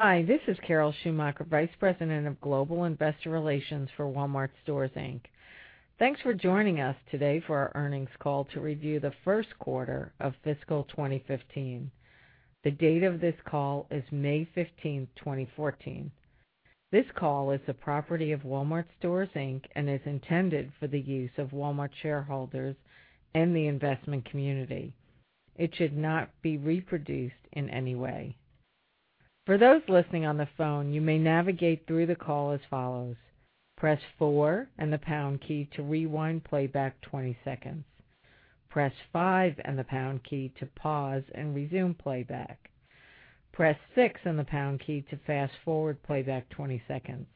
Hi, this is Carol Schumacher, Vice President of Global Investor Relations for Walmart Stores, Inc. Thanks for joining us today for our earnings call to review the first quarter of fiscal 2015. The date of this call is May 15, 2014. This call is the property of Walmart Stores, Inc. and is intended for the use of Walmart shareholders and the investment community. It should not be reproduced in any way. For those listening on the phone, you may navigate through the call as follows. Press four and the pound key to rewind playback 20 seconds. Press five and the pound key to pause and resume playback. Press six and the pound key to fast-forward playback 20 seconds.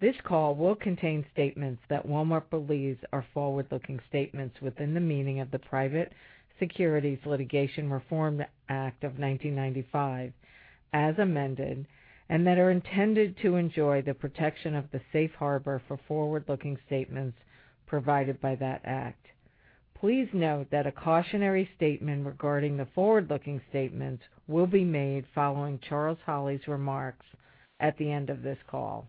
This call will contain statements that Walmart believes are forward-looking statements within the meaning of the Private Securities Litigation Reform Act of 1995, as amended, and that are intended to enjoy the protection of the safe harbor for forward-looking statements provided by that act. Please note that a cautionary statement regarding the forward-looking statements will be made following Charles Holley's remarks at the end of this call.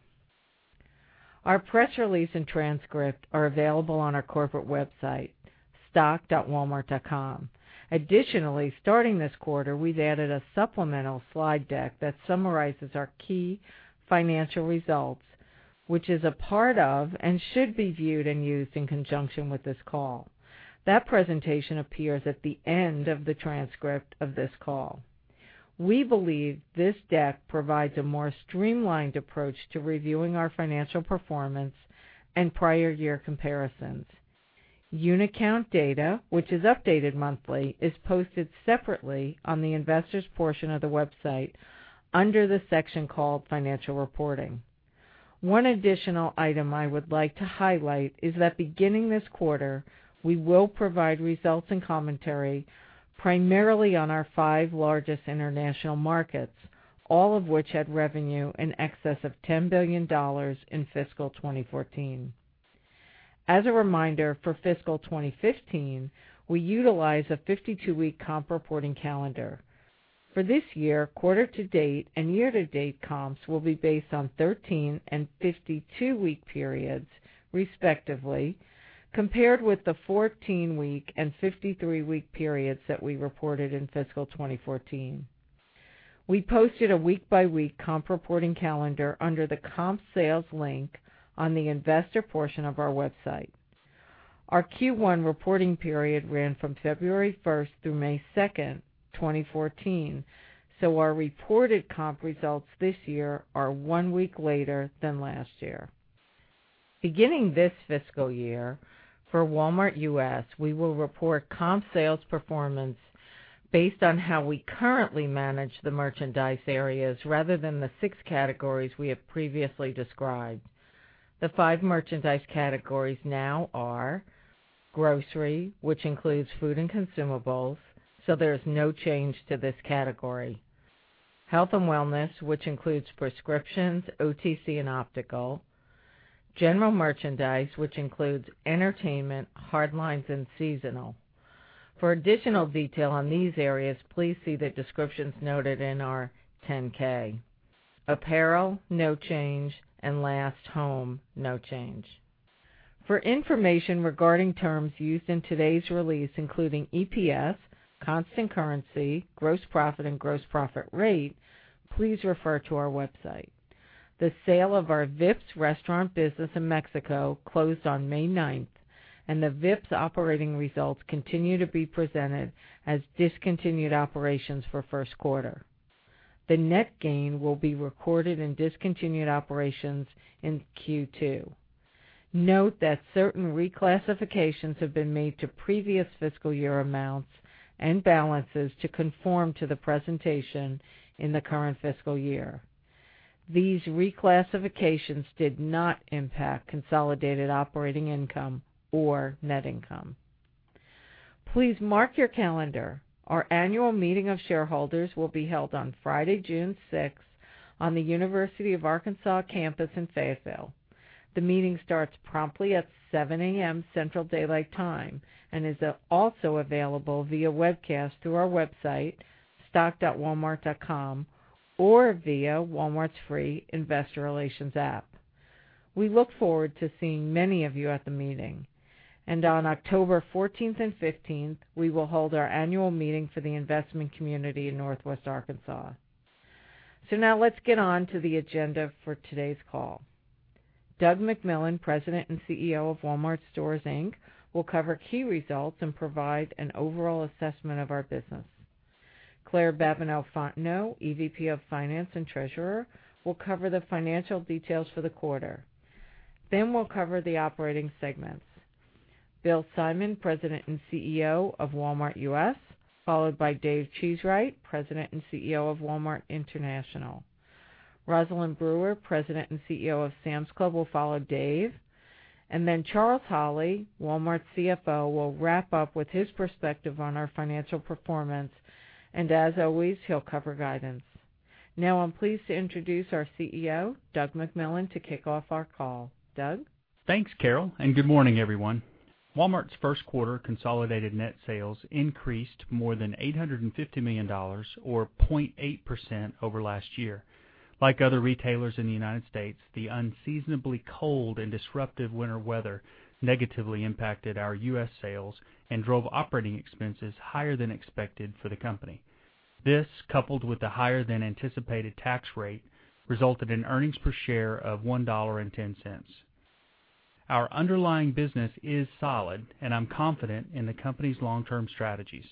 Our press release and transcript are available on our corporate website, stock.walmart.com. Starting this quarter, we've added a supplemental slide deck that summarizes our key financial results, which is a part of and should be viewed and used in conjunction with this call. That presentation appears at the end of the transcript of this call. We believe this deck provides a more streamlined approach to reviewing our financial performance and prior year comparisons. Unit count data, which is updated monthly, is posted separately on the investors' portion of the website under the section called Financial Reporting. One additional item I would like to highlight is that beginning this quarter, we will provide results and commentary primarily on our five largest international markets, all of which had revenue in excess of $10 billion in fiscal 2014. As a reminder, for fiscal 2015, we utilize a 52-week comp reporting calendar. For this year, quarter to date and year to date comps will be based on 13 and 52-week periods respectively, compared with the 14-week and 53-week periods that we reported in fiscal 2014. We posted a week-by-week comp reporting calendar under the comp sales link on the investor portion of our website. Our Q1 reporting period ran from February 1st through May 2nd, 2014. Our reported comp results this year are one week later than last year. Beginning this fiscal year, for Walmart U.S., we will report comp sales performance based on how we currently manage the merchandise areas rather than the six categories we have previously described. The five merchandise categories now are grocery, which includes food and consumables, so there is no change to this category. Health and wellness, which includes prescriptions, OTC, and optical. General merchandise, which includes entertainment, hard lines, and seasonal. For additional detail on these areas, please see the descriptions noted in our 10-K. Apparel, no change. Last home, no change. For information regarding terms used in today's release, including EPS, constant currency, gross profit, and gross profit rate, please refer to our website. The sale of our Vips restaurant business in Mexico closed on May 9th, and the Vips operating results continue to be presented as discontinued operations for the first quarter. The net gain will be recorded in discontinued operations in Q2. Note that certain reclassifications have been made to previous fiscal year amounts and balances to conform to the presentation in the current fiscal year. These reclassifications did not impact consolidated operating income or net income. Please mark your calendar. Our annual meeting of shareholders will be held on Friday, June 6th, on the University of Arkansas campus in Fayetteville. The meeting starts promptly at 7:00 A.M. Central Daylight Time and is also available via webcast through our website, stock.walmart.com, or via Walmart's free investor relations app. We look forward to seeing many of you at the meeting. On October 14th and 15th, we will hold our annual meeting for the investment community in northwest Arkansas. Now let's get on to the agenda for today's call. Doug McMillon, President and CEO of Walmart Stores, Inc., will cover key results and provide an overall assessment of our business. Claire Babineaux-Fontenot, EVP of Finance and Treasurer, will cover the financial details for the quarter. We'll cover the operating segments. Bill Simon, President and CEO of Walmart U.S., followed by Dave Cheesewright, President and CEO of Walmart International. Rosalind Brewer, President and CEO of Sam's Club, will follow Dave. Charles Holley, Walmart CFO, will wrap up with his perspective on our financial performance. As always, he'll cover guidance. I'm pleased to introduce our CEO, Doug McMillon, to kick off our call. Doug? Thanks, Carol, and good morning, everyone. Walmart's first quarter consolidated net sales increased more than $850 million, or 0.8% over last year. Like other retailers in the United States, the unseasonably cold and disruptive winter weather negatively impacted our U.S. sales and drove operating expenses higher than expected for the company. This, coupled with the higher-than-anticipated tax rate, resulted in earnings per share of $1.10. Our underlying business is solid, and I'm confident in the company's long-term strategies.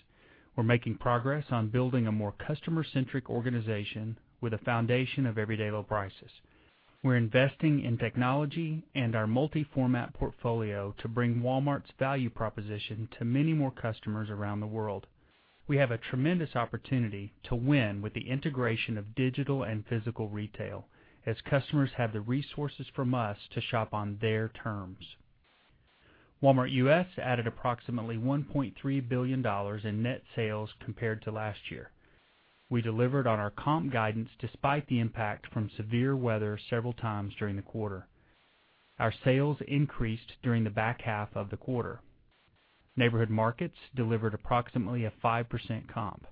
We're making progress on building a more customer-centric organization with a foundation of everyday low prices. We're investing in technology and our multi-format portfolio to bring Walmart's value proposition to many more customers around the world. We have a tremendous opportunity to win with the integration of digital and physical retail, as customers have the resources from us to shop on their terms. Walmart U.S. added approximately $1.3 billion in net sales compared to last year. We delivered on our comp guidance despite the impact from severe weather several times during the quarter. Our sales increased during the back half of the quarter. Neighborhood Markets delivered approximately a 5% comp.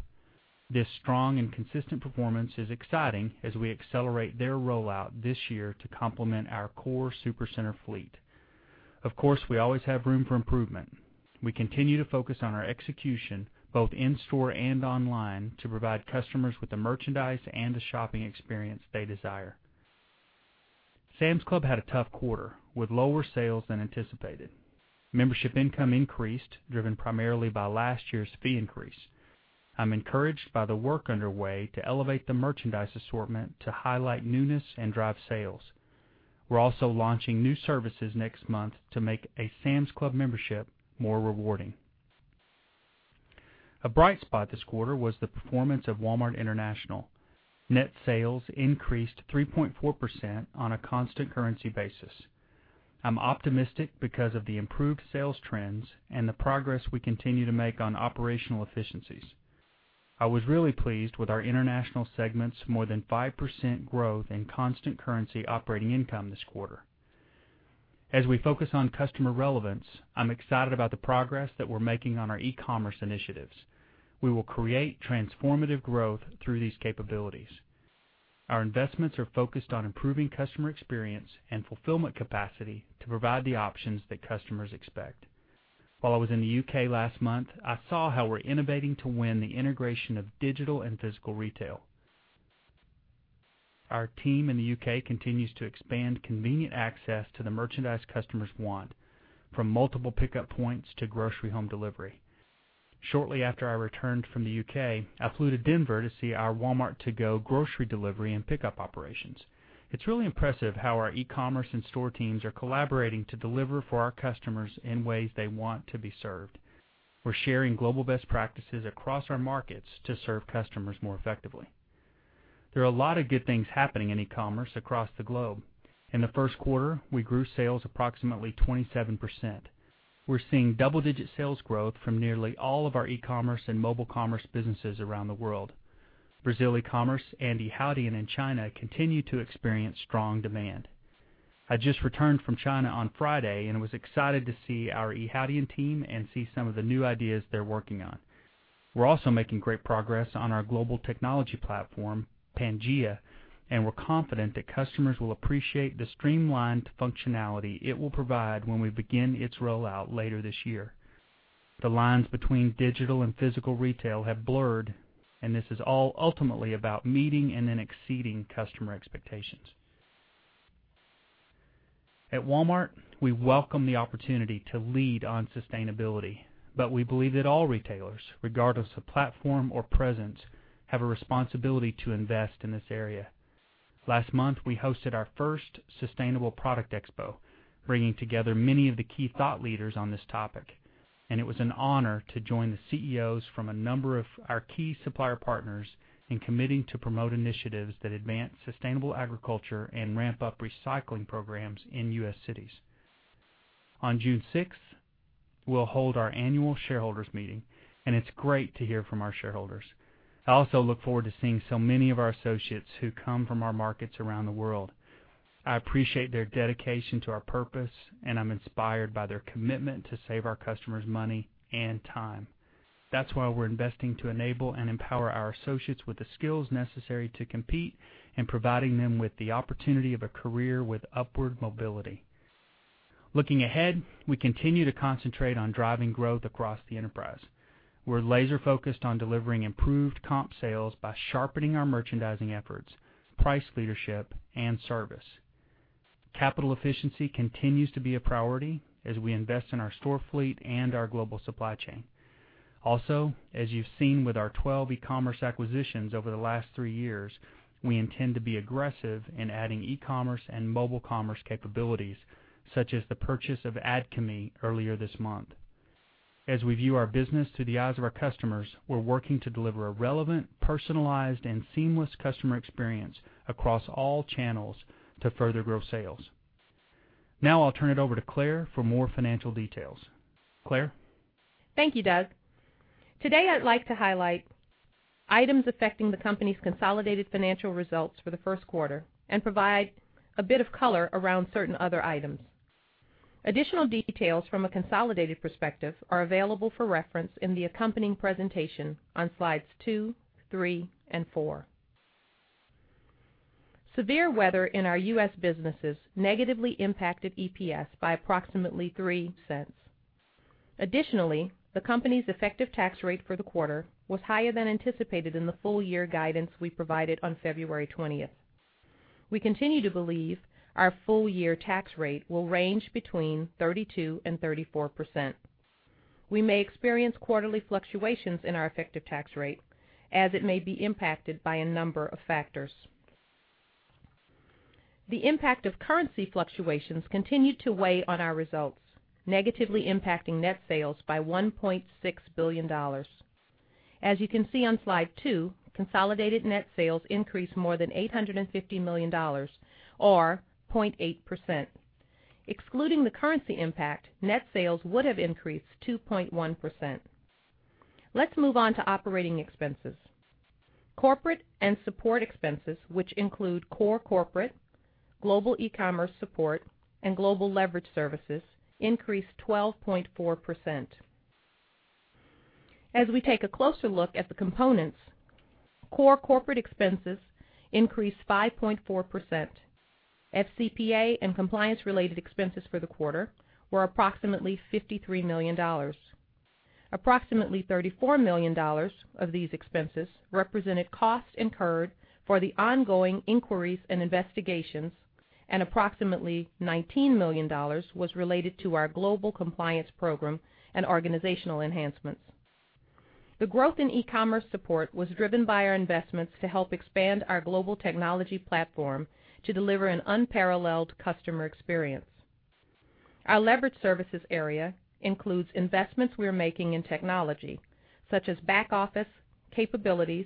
This strong and consistent performance is exciting as we accelerate their rollout this year to complement our core Supercenter fleet. Of course, we always have room for improvement. We continue to focus on our execution, both in-store and online, to provide customers with the merchandise and the shopping experience they desire. Sam's Club had a tough quarter, with lower sales than anticipated. Membership income increased, driven primarily by last year's fee increase. I'm encouraged by the work underway to elevate the merchandise assortment to highlight newness and drive sales. We're also launching new services next month to make a Sam's Club membership more rewarding. A bright spot this quarter was the performance of Walmart International. Net sales increased 3.4% on a constant currency basis. I'm optimistic because of the improved sales trends and the progress we continue to make on operational efficiencies. I was really pleased with our international segment's more than 5% growth in constant currency operating income this quarter. As we focus on customer relevance, I'm excited about the progress that we're making on our e-commerce initiatives. We will create transformative growth through these capabilities. Our investments are focused on improving customer experience and fulfillment capacity to provide the options that customers expect. While I was in the U.K. last month, I saw how we're innovating to win the integration of digital and physical retail. Our team in the U.K. continues to expand convenient access to the merchandise customers want, from multiple pickup points to grocery home delivery. Shortly after I returned from the U.K., I flew to Denver to see our Walmart To Go grocery delivery and pickup operations. It's really impressive how our e-commerce and store teams are collaborating to deliver for our customers in ways they want to be served. We're sharing global best practices across our markets to serve customers more effectively. There are a lot of good things happening in e-commerce across the globe. In the first quarter, we grew sales approximately 27%. We're seeing double-digit sales growth from nearly all of our e-commerce and mobile commerce businesses around the world. Brazil e-commerce and Yihaodian in China continue to experience strong demand. I just returned from China on Friday and was excited to see our Yihaodian team and see some of the new ideas they're working on. We're also making great progress on our global technology platform, Pangaea, and we're confident that customers will appreciate the streamlined functionality it will provide when we begin its rollout later this year. The lines between digital and physical retail have blurred. This is all ultimately about meeting and then exceeding customer expectations. At Walmart, we welcome the opportunity to lead on sustainability. We believe that all retailers, regardless of platform or presence, have a responsibility to invest in this area. Last month, we hosted our first sustainable product expo, bringing together many of the key thought leaders on this topic. It was an honor to join the CEOs from a number of our key supplier partners in committing to promote initiatives that advance sustainable agriculture and ramp up recycling programs in U.S. cities. On June 6th, we'll hold our annual shareholders meeting. It's great to hear from our shareholders. I also look forward to seeing so many of our associates who come from our markets around the world. I appreciate their dedication to our purpose. I'm inspired by their commitment to save our customers money and time. That's why we're investing to enable and empower our associates with the skills necessary to compete and providing them with the opportunity of a career with upward mobility. Looking ahead, we continue to concentrate on driving growth across the enterprise. We're laser-focused on delivering improved comp sales by sharpening our merchandising efforts, price leadership, and service. Capital efficiency continues to be a priority as we invest in our store fleet and our global supply chain. As you've seen with our 12 e-commerce acquisitions over the last three years, we intend to be aggressive in adding e-commerce and mobile commerce capabilities, such as the purchase of Adchemy earlier this month. As we view our business through the eyes of our customers, we're working to deliver a relevant, personalized, and seamless customer experience across all channels to further grow sales. Now I'll turn it over to Claire for more financial details. Claire? Thank you, Doug. Today, I'd like to highlight items affecting the company's consolidated financial results for the first quarter and provide a bit of color around certain other items. Additional details from a consolidated perspective are available for reference in the accompanying presentation on slides two, three, and four. Severe weather in our U.S. businesses negatively impacted EPS by approximately $0.03. Additionally, the company's effective tax rate for the quarter was higher than anticipated in the full year guidance we provided on February 20th. We continue to believe our full year tax rate will range between 32% and 34%. We may experience quarterly fluctuations in our effective tax rate as it may be impacted by a number of factors. The impact of currency fluctuations continued to weigh on our results, negatively impacting net sales by $1.6 billion. As you can see on slide two, consolidated net sales increased more than $850 million or 0.8%. Excluding the currency impact, net sales would have increased 2.1%. Let's move on to operating expenses. Corporate and support expenses, which include core corporate, global e-commerce support, and global leverage services, increased 12.4%. As we take a closer look at the components, core corporate expenses increased 5.4%. FCPA and compliance-related expenses for the quarter were approximately $53 million. Approximately $34 million of these expenses represented costs incurred for the ongoing inquiries and investigations, and approximately $19 million was related to our global compliance program and organizational enhancements. The growth in e-commerce support was driven by our investments to help expand our global technology platform to deliver an unparalleled customer experience. Our leverage services area includes investments we're making in technology, such as back-office capabilities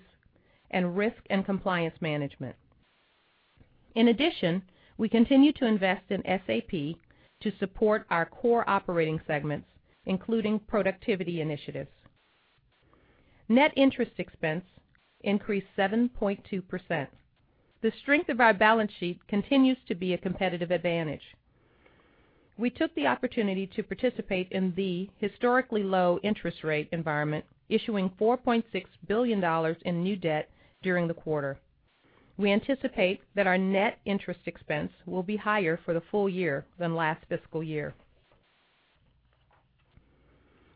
and risk and compliance management. We continue to invest in SAP to support our core operating segments, including productivity initiatives. Net interest expense increased 7.2%. The strength of our balance sheet continues to be a competitive advantage. We took the opportunity to participate in the historically low interest rate environment, issuing $4.6 billion in new debt during the quarter. We anticipate that our net interest expense will be higher for the full year than last fiscal year.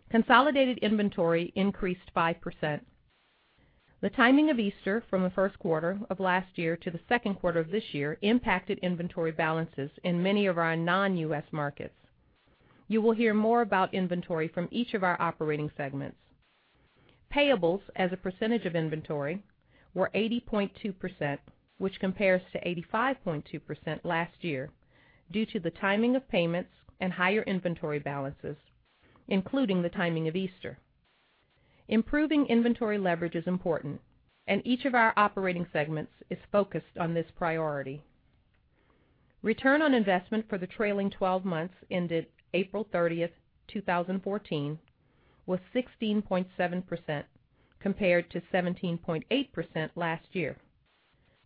Consolidated inventory increased 5%. The timing of Easter from the first quarter of last year to the second quarter of this year impacted inventory balances in many of our non-U.S. markets. You will hear more about inventory from each of our operating segments. Payables as a percentage of inventory were 80.2%, which compares to 85.2% last year due to the timing of payments and higher inventory balances, including the timing of Easter. Improving inventory leverage is important. Each of our operating segments is focused on this priority. Return on investment for the trailing 12 months ended April 30th, 2014, was 16.7% compared to 17.8% last year.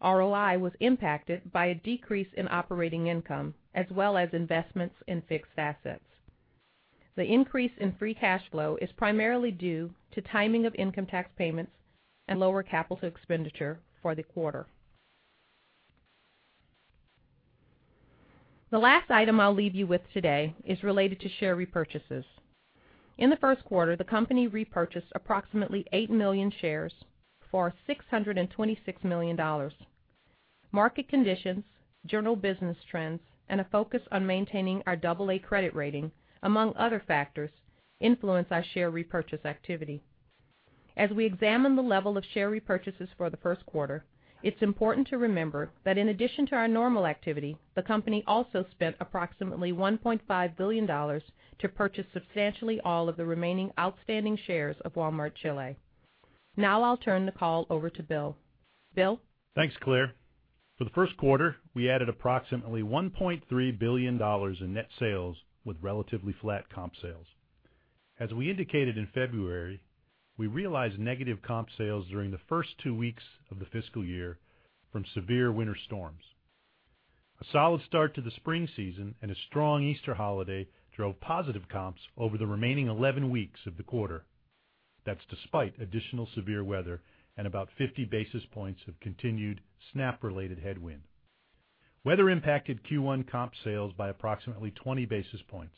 ROI was impacted by a decrease in operating income as well as investments in fixed assets. The increase in free cash flow is primarily due to timing of income tax payments and lower capital expenditure for the quarter. The last item I'll leave you with today is related to share repurchases. In the first quarter, the company repurchased approximately 8 million shares for $626 million. Market conditions, general business trends, and a focus on maintaining our double A credit rating, among other factors, influence our share repurchase activity. As we examine the level of share repurchases for the first quarter, it's important to remember that in addition to our normal activity, the company also spent approximately $1.5 billion to purchase substantially all of the remaining outstanding shares of Walmart Chile. I'll turn the call over to Bill. Bill? Thanks, Claire. For the first quarter, we added approximately $1.3 billion in net sales with relatively flat comp sales. As we indicated in February, we realized negative comp sales during the first two weeks of the fiscal year from severe winter storms. A solid start to the spring season and a strong Easter holiday drove positive comps over the remaining 11 weeks of the quarter. That's despite additional severe weather and about 50 basis points of continued SNAP-related headwind. Weather impacted Q1 comp sales by approximately 20 basis points.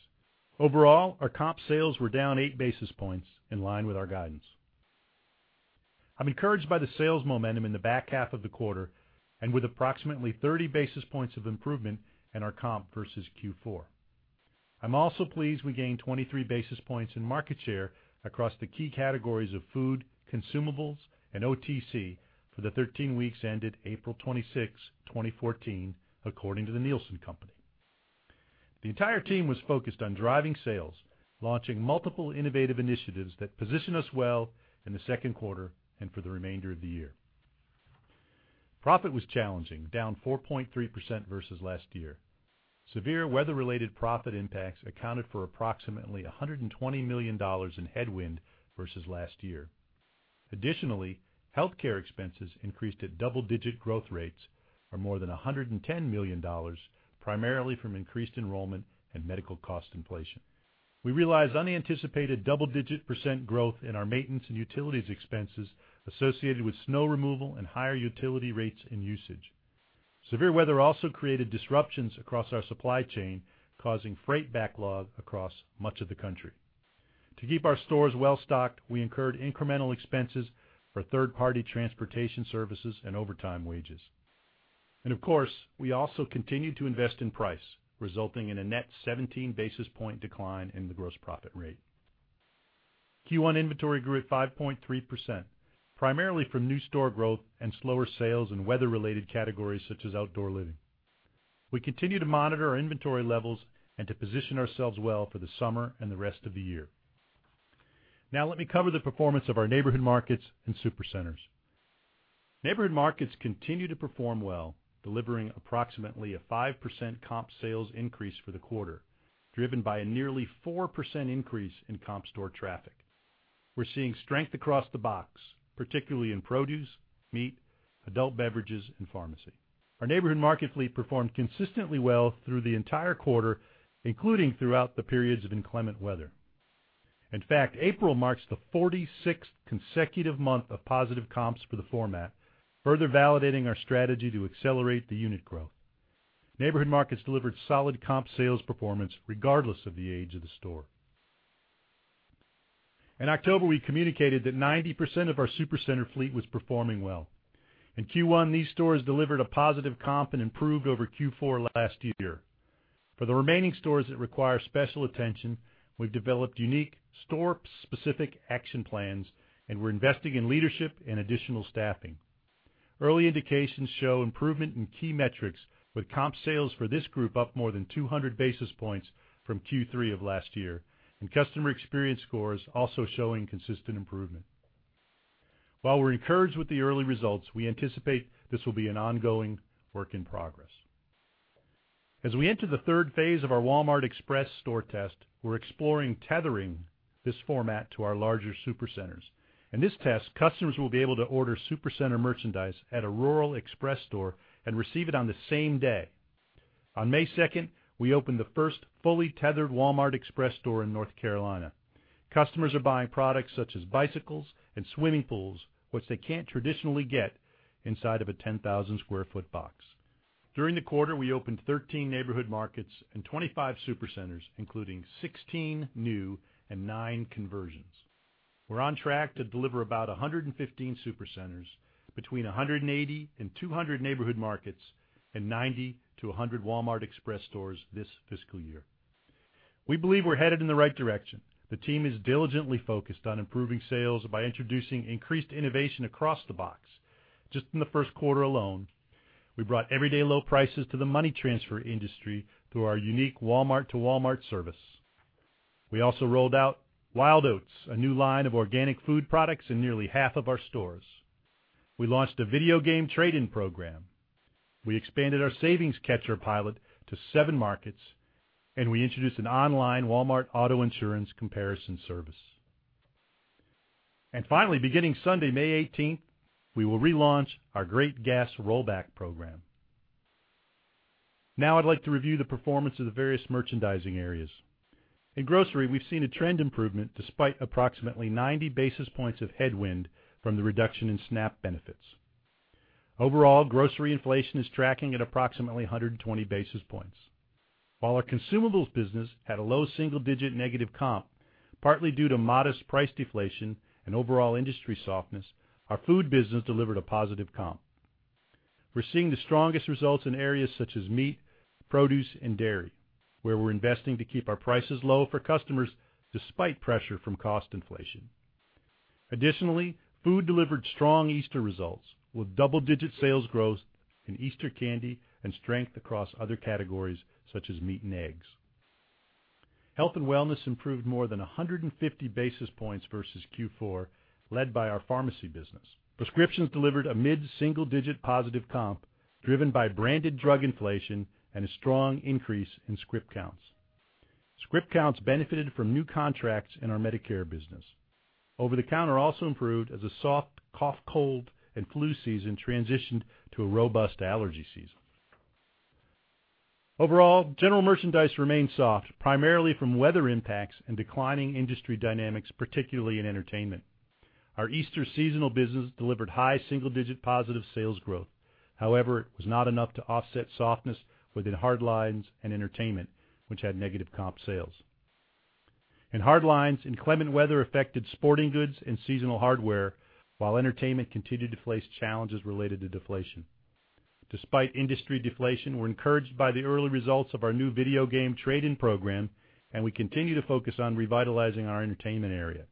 Overall, our comp sales were down eight basis points, in line with our guidance. I'm encouraged by the sales momentum in the back half of the quarter and with approximately 30 basis points of improvement in our comp versus Q4. I'm also pleased we gained 23 basis points in market share across the key categories of food, consumables, and OTC for the 13 weeks ended April 26, 2014, according to The Nielsen Company. The entire team was focused on driving sales, launching multiple innovative initiatives that position us well in the second quarter and for the remainder of the year. Profit was challenging, down 4.3% versus last year. Severe weather-related profit impacts accounted for approximately $120 million in headwind versus last year. Additionally, healthcare expenses increased at double-digit growth rates or more than $110 million, primarily from increased enrollment and medical cost inflation. We realized unanticipated double-digit percent growth in our maintenance and utilities expenses associated with snow removal and higher utility rates and usage. Severe weather also created disruptions across our supply chain, causing freight backlog across much of the country. To keep our stores well-stocked, we incurred incremental expenses for third-party transportation services and overtime wages. Of course, we also continued to invest in price, resulting in a net 17 basis points decline in the gross profit rate. Q1 inventory grew at 5.3%, primarily from new store growth and slower sales in weather-related categories such as outdoor living. We continue to monitor our inventory levels and to position ourselves well for the summer and the rest of the year. Let me cover the performance of our Neighborhood Markets and Supercenters. Neighborhood Markets continue to perform well, delivering approximately a 5% comp sales increase for the quarter, driven by a nearly 4% increase in comp store traffic. We're seeing strength across the box, particularly in produce, meat, adult beverages, and pharmacy. Our Neighborhood Market fleet performed consistently well through the entire quarter, including throughout the periods of inclement weather. In fact, April marks the 46th consecutive month of positive comps for the format, further validating our strategy to accelerate the unit growth. Neighborhood Markets delivered solid comp sales performance regardless of the age of the store. In October, we communicated that 90% of our Supercenter fleet was performing well. In Q1, these stores delivered a positive comp and improved over Q4 last year. For the remaining stores that require special attention, we've developed unique store-specific action plans, we're investing in leadership and additional staffing. Early indications show improvement in key metrics with comp sales for this group up more than 200 basis points from Q3 of last year, customer experience scores also showing consistent improvement. While we're encouraged with the early results, we anticipate this will be an ongoing work in progress. As we enter the third phase of our Walmart Express store test, we're exploring tethering this format to our larger Supercenters. In this test, customers will be able to order Supercenter merchandise at a rural Express store and receive it on the same day. On May 2nd, we opened the first fully tethered Walmart Express store in North Carolina. Customers are buying products such as bicycles and swimming pools, which they can't traditionally get inside of a 10,000-square-foot box. During the quarter, we opened 13 Neighborhood Markets and 25 Supercenters, including 16 new and nine conversions. We're on track to deliver about 115 Supercenters between 180 and 200 Neighborhood Markets and 90 to 100 Walmart Express stores this fiscal year. We believe we're headed in the right direction. The team is diligently focused on improving sales by introducing increased innovation across the box. Just in the first quarter alone, we brought everyday low prices to the money transfer industry through our unique Walmart2Walmart service. We also rolled out Wild Oats, a new line of organic food products in nearly half of our stores. We launched a video game trade-in program. We expanded our Savings Catcher pilot to seven markets, we introduced an online Walmart auto insurance comparison service. Finally, beginning Sunday, May 18th, we will relaunch our Great Gas Rollback program. I'd like to review the performance of the various merchandising areas. In grocery, we've seen a trend improvement despite approximately 90 basis points of headwind from the reduction in SNAP benefits. Overall, grocery inflation is tracking at approximately 120 basis points. While our consumables business had a low single-digit negative comp, partly due to modest price deflation and overall industry softness, our food business delivered a positive comp. We're seeing the strongest results in areas such as meat, produce, and dairy, where we're investing to keep our prices low for customers despite pressure from cost inflation. Additionally, food delivered strong Easter results with double-digit sales growth in Easter candy and strength across other categories such as meat and eggs. Health and wellness improved more than 150 basis points versus Q4, led by our pharmacy business. Prescriptions delivered a mid-single-digit positive comp driven by branded drug inflation and a strong increase in script counts. Script counts benefited from new contracts in our Medicare business. Over-the-counter also improved as a soft cough, cold, and flu season transitioned to a robust allergy season. Overall, general merchandise remained soft, primarily from weather impacts and declining industry dynamics, particularly in entertainment. Our Easter seasonal business delivered high single-digit positive sales growth. However, it was not enough to offset softness within hard lines and entertainment, which had negative comp sales. In hard lines, inclement weather affected sporting goods and seasonal hardware while entertainment continued to face challenges related to deflation. Despite industry deflation, we're encouraged by the early results of our new video game trade-in program, and we continue to focus on revitalizing our entertainment area.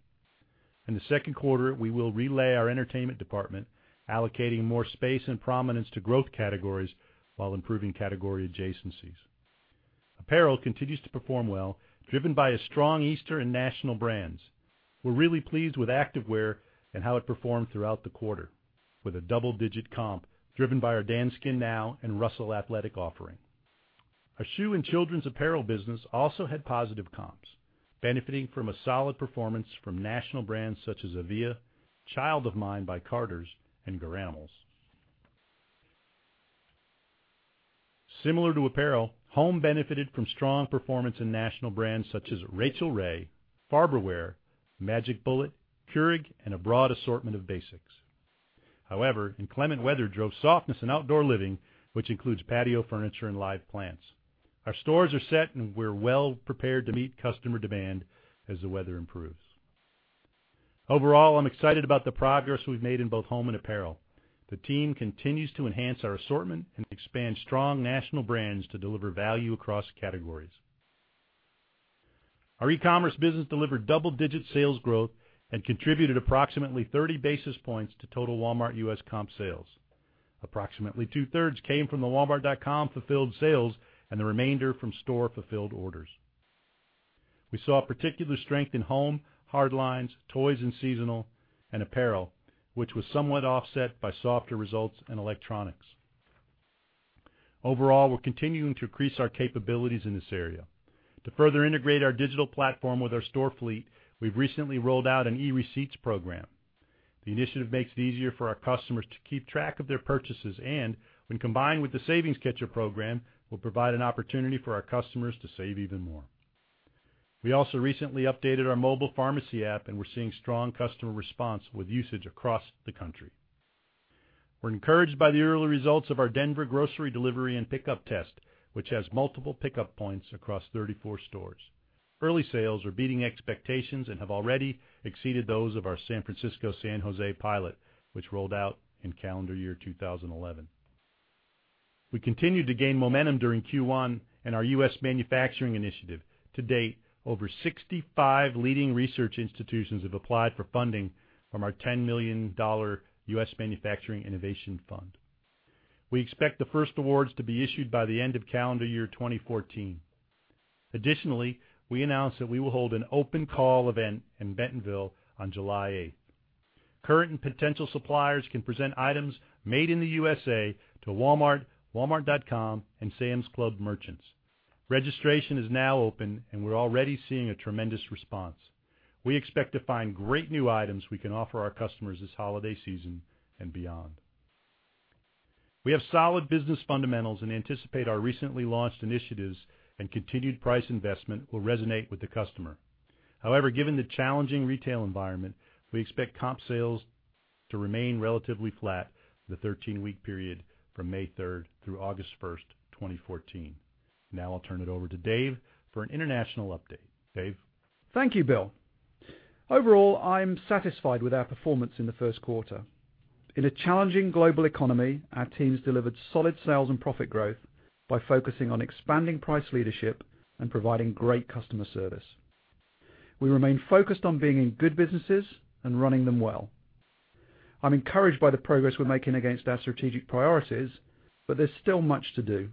In the second quarter, we will relay our entertainment department, allocating more space and prominence to growth categories while improving category adjacencies. Apparel continues to perform well, driven by a strong Easter and national brands. We're really pleased with activewear and how it performed throughout the quarter, with a double-digit comp driven by our Danskin Now and Russell Athletic offering. Our shoe and children's apparel business also had positive comps, benefiting from a solid performance from national brands such as Avia, Child of Mine by Carter's, and Garanimals. Similar to apparel, home benefited from strong performance in national brands such as Rachael Ray, Farberware, Magic Bullet, Keurig, and a broad assortment of basics. However, inclement weather drove softness in outdoor living, which includes patio furniture and live plants. Our stores are set, and we're well-prepared to meet customer demand as the weather improves. Overall, I'm excited about the progress we've made in both home and apparel. The team continues to enhance our assortment and expand strong national brands to deliver value across categories. Our e-commerce business delivered double-digit sales growth and contributed approximately 30 basis points to total Walmart U.S. comp sales. Approximately two-thirds came from the walmart.com fulfilled sales and the remainder from store-fulfilled orders. We saw particular strength in home, hard lines, toys and seasonal, and apparel, which was somewhat offset by softer results in electronics. Overall, we're continuing to increase our capabilities in this area. To further integrate our digital platform with our store fleet, we've recently rolled out an e-receipts program. The initiative makes it easier for our customers to keep track of their purchases and, when combined with the Savings Catcher program, will provide an opportunity for our customers to save even more. We also recently updated our mobile pharmacy app, and we're seeing strong customer response with usage across the country. We're encouraged by the early results of our Denver grocery delivery and pickup test, which has multiple pickup points across 34 stores. Early sales are beating expectations and have already exceeded those of our San Francisco-San Jose pilot, which rolled out in calendar year 2011. We continued to gain momentum during Q1 in our U.S. manufacturing initiative. To date, over 65 leading research institutions have applied for funding from our $10 million Walmart U.S. Manufacturing Innovation Fund. We expect the first awards to be issued by the end of calendar year 2014. Additionally, we announced that we will hold an open call event in Bentonville on July 8th. Current and potential suppliers can present items made in the USA to Walmart, walmart.com, and Sam's Club merchants. Registration is now open, and we're already seeing a tremendous response. We expect to find great new items we can offer our customers this holiday season and beyond. We have solid business fundamentals and anticipate our recently launched initiatives and continued price investment will resonate with the customer. However, given the challenging retail environment, we expect comp sales to remain relatively flat the 13-week period from May 3rd through August 1st, 2014. Now I'll turn it over to Dave for an international update. Dave? Thank you, Bill. Overall, I'm satisfied with our performance in the first quarter. In a challenging global economy, our teams delivered solid sales and profit growth by focusing on expanding price leadership and providing great customer service. We remain focused on being in good businesses and running them well. I'm encouraged by the progress we're making against our strategic priorities, but there's still much to do.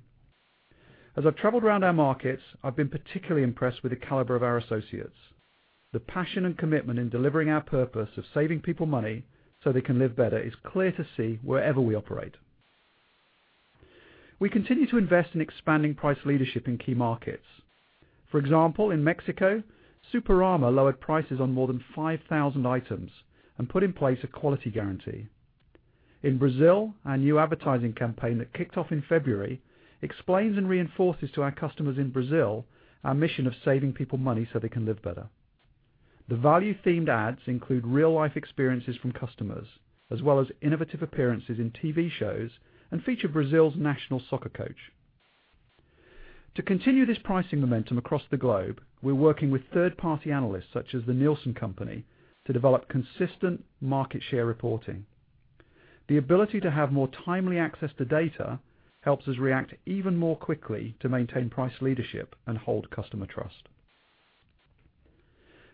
As I've traveled around our markets, I've been particularly impressed with the caliber of our associates. The passion and commitment in delivering our purpose of saving people money so they can live better is clear to see wherever we operate. We continue to invest in expanding price leadership in key markets. For example, in Mexico, Superama lowered prices on more than 5,000 items and put in place a quality guarantee. In Brazil, our new advertising campaign that kicked off in February explains and reinforces to our customers in Brazil our mission of saving people money so they can live better. The value-themed ads include real-life experiences from customers, as well as innovative appearances in TV shows and feature Brazil's national soccer coach. To continue this pricing momentum across the globe, we're working with third-party analysts, such as The Nielsen Company, to develop consistent market share reporting. The ability to have more timely access to data helps us react even more quickly to maintain price leadership and hold customer trust.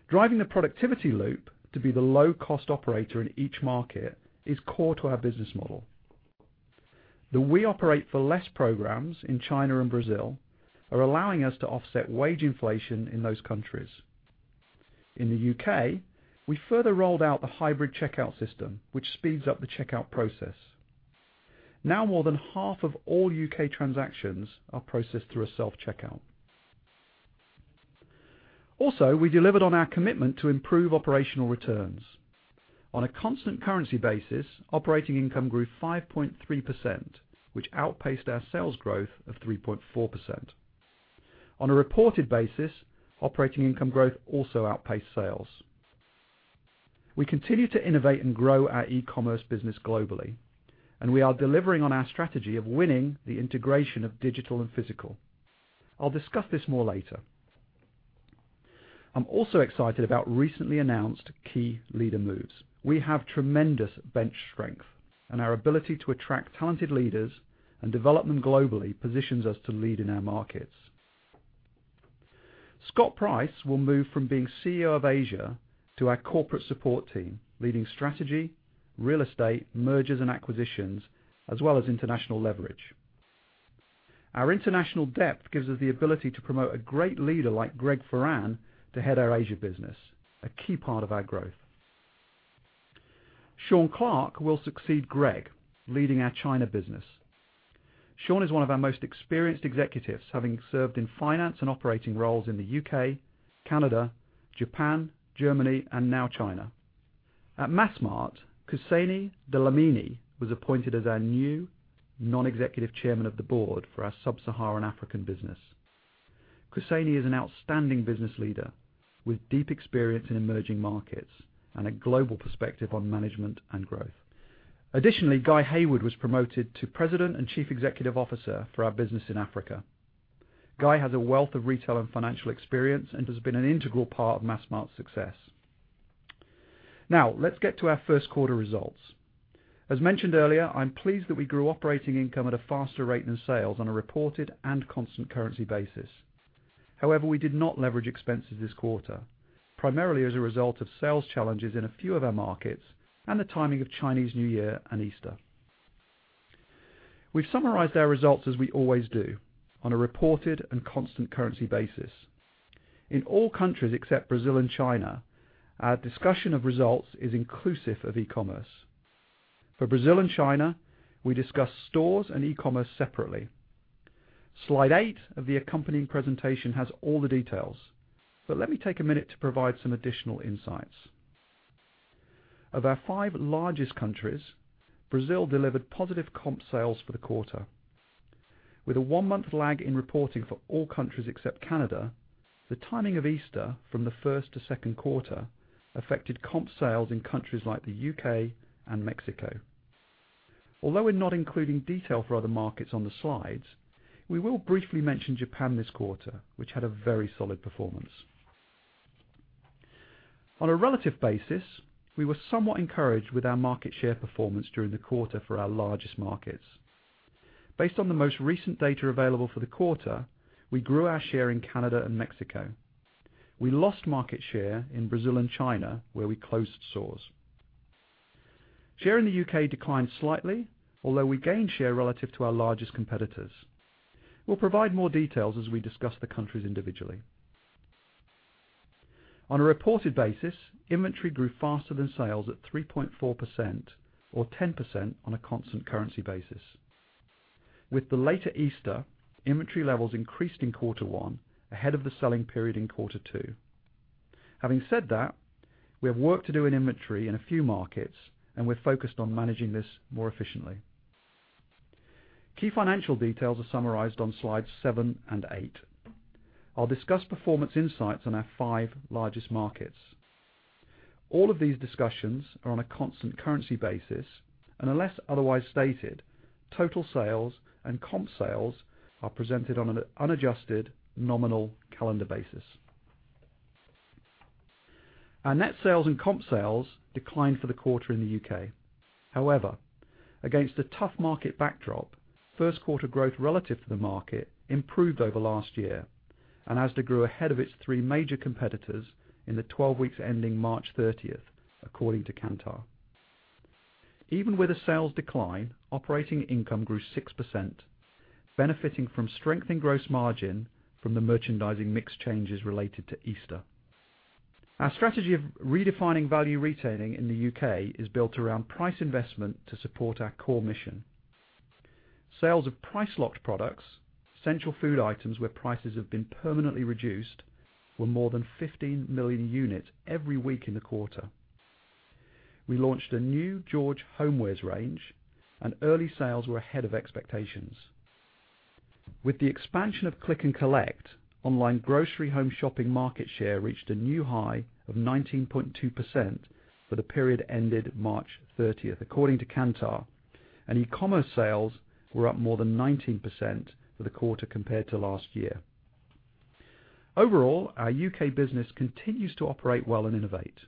Driving the productivity loop to be the low-cost operator in each market is core to our business model. The We Operate For Less programs in China and Brazil are allowing us to offset wage inflation in those countries. In the U.K., we further rolled out the hybrid checkout system, which speeds up the checkout process. Now more than half of all U.K. transactions are processed through a self-checkout. Also, we delivered on our commitment to improve operational returns. On a constant currency basis, operating income grew 5.3%, which outpaced our sales growth of 3.4%. On a reported basis, operating income growth also outpaced sales. We continue to innovate and grow our e-commerce business globally, and we are delivering on our strategy of winning the integration of digital and physical. I'll discuss this more later. I'm also excited about recently announced key leader moves. We have tremendous bench strength, and our ability to attract talented leaders and develop them globally positions us to lead in our markets. Scott Price will move from being CEO of Asia to our corporate support team, leading strategy, real estate, mergers and acquisitions, as well as international leverage. Our international depth gives us the ability to promote a great leader like Greg Foran to head our Asia business, a key part of our growth. Sean Clarke will succeed Greg, leading our China business. Sean is one of our most experienced executives, having served in finance and operating roles in the U.K., Canada, Japan, Germany, and now China. At Massmart, Kuseni Dlamini was appointed as our new non-executive chairman of the board for our sub-Saharan African business. Kuseni is an outstanding business leader with deep experience in emerging markets and a global perspective on management and growth. Additionally, Guy Hayward was promoted to president and chief executive officer for our business in Africa. Guy has a wealth of retail and financial experience and has been an integral part of Massmart's success. Let's get to our first quarter results. As mentioned earlier, I'm pleased that we grew operating income at a faster rate than sales on a reported and constant currency basis. However, we did not leverage expenses this quarter, primarily as a result of sales challenges in a few of our markets and the timing of Chinese New Year and Easter. We've summarized our results as we always do, on a reported and constant currency basis. In all countries except Brazil and China, our discussion of results is inclusive of e-commerce. For Brazil and China, we discuss stores and e-commerce separately. Slide eight of the accompanying presentation has all the details, but let me take a minute to provide some additional insights. Of our five largest countries, Brazil delivered positive comp sales for the quarter. With a one-month lag in reporting for all countries except Canada, the timing of Easter from the first to second quarter affected comp sales in countries like the U.K. and Mexico. Although we're not including detail for other markets on the slides, we will briefly mention Japan this quarter, which had a very solid performance. On a relative basis, we were somewhat encouraged with our market share performance during the quarter for our largest markets. Based on the most recent data available for the quarter, we grew our share in Canada and Mexico. We lost market share in Brazil and China, where we closed stores. Share in the U.K. declined slightly, although we gained share relative to our largest competitors. We'll provide more details as we discuss the countries individually. On a reported basis, inventory grew faster than sales at 3.4%, or 10% on a constant currency basis. With the later Easter, inventory levels increased in quarter one ahead of the selling period in quarter two. Having said that, we have work to do in inventory in a few markets, and we're focused on managing this more efficiently. Key financial details are summarized on slides seven and eight. I'll discuss performance insights on our five largest markets. All of these discussions are on a constant currency basis, and unless otherwise stated, total sales and comp sales are presented on an unadjusted nominal calendar basis. Our net sales and comp sales declined for the quarter in the U.K. Against a tough market backdrop, first quarter growth relative to the market improved over last year, and Asda grew ahead of its three major competitors in the 12 weeks ending March 30th, according to Kantar. Even with a sales decline, operating income grew 6%, benefiting from strength in gross margin from the merchandising mix changes related to Easter. Our strategy of redefining value retailing in the U.K. is built around price investment to support our core mission. Sales of price-locked products, essential food items where prices have been permanently reduced, were more than 15 million units every week in the quarter. We launched a new George homewares range, and early sales were ahead of expectations. With the expansion of Click and Collect, online grocery home shopping market share reached a new high of 19.2% for the period ended March 30th, according to Kantar, and e-commerce sales were up more than 19% for the quarter compared to last year. Overall, our U.K. business continues to operate well and innovate.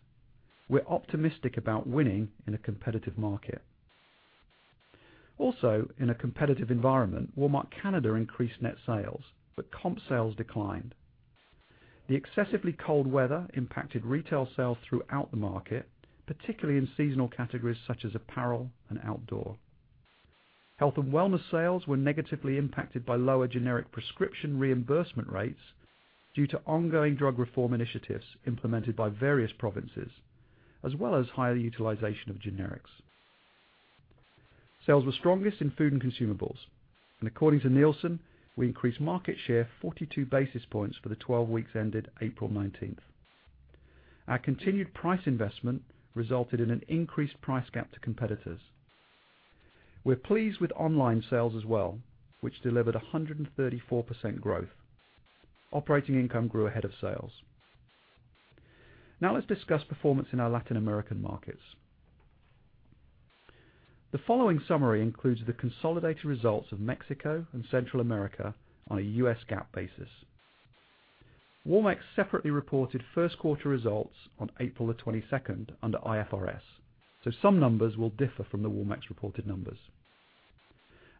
We're optimistic about winning in a competitive market. In a competitive environment, Walmart Canada increased net sales, but comp sales declined. The excessively cold weather impacted retail sales throughout the market, particularly in seasonal categories such as apparel and outdoor. Health and wellness sales were negatively impacted by lower generic prescription reimbursement rates due to ongoing drug reform initiatives implemented by various provinces, as well as higher utilization of generics. Sales were strongest in food and consumables, and according to Nielsen, we increased market share 42 basis points for the 12 weeks ended April 19th. Our continued price investment resulted in an increased price gap to competitors. We're pleased with online sales as well, which delivered 134% growth. Operating income grew ahead of sales. Let's discuss performance in our Latin American markets. The following summary includes the consolidated results of Mexico and Central America on a U.S. GAAP basis. Walmex separately reported first quarter results on April 22nd under IFRS, so some numbers will differ from the Walmex reported numbers.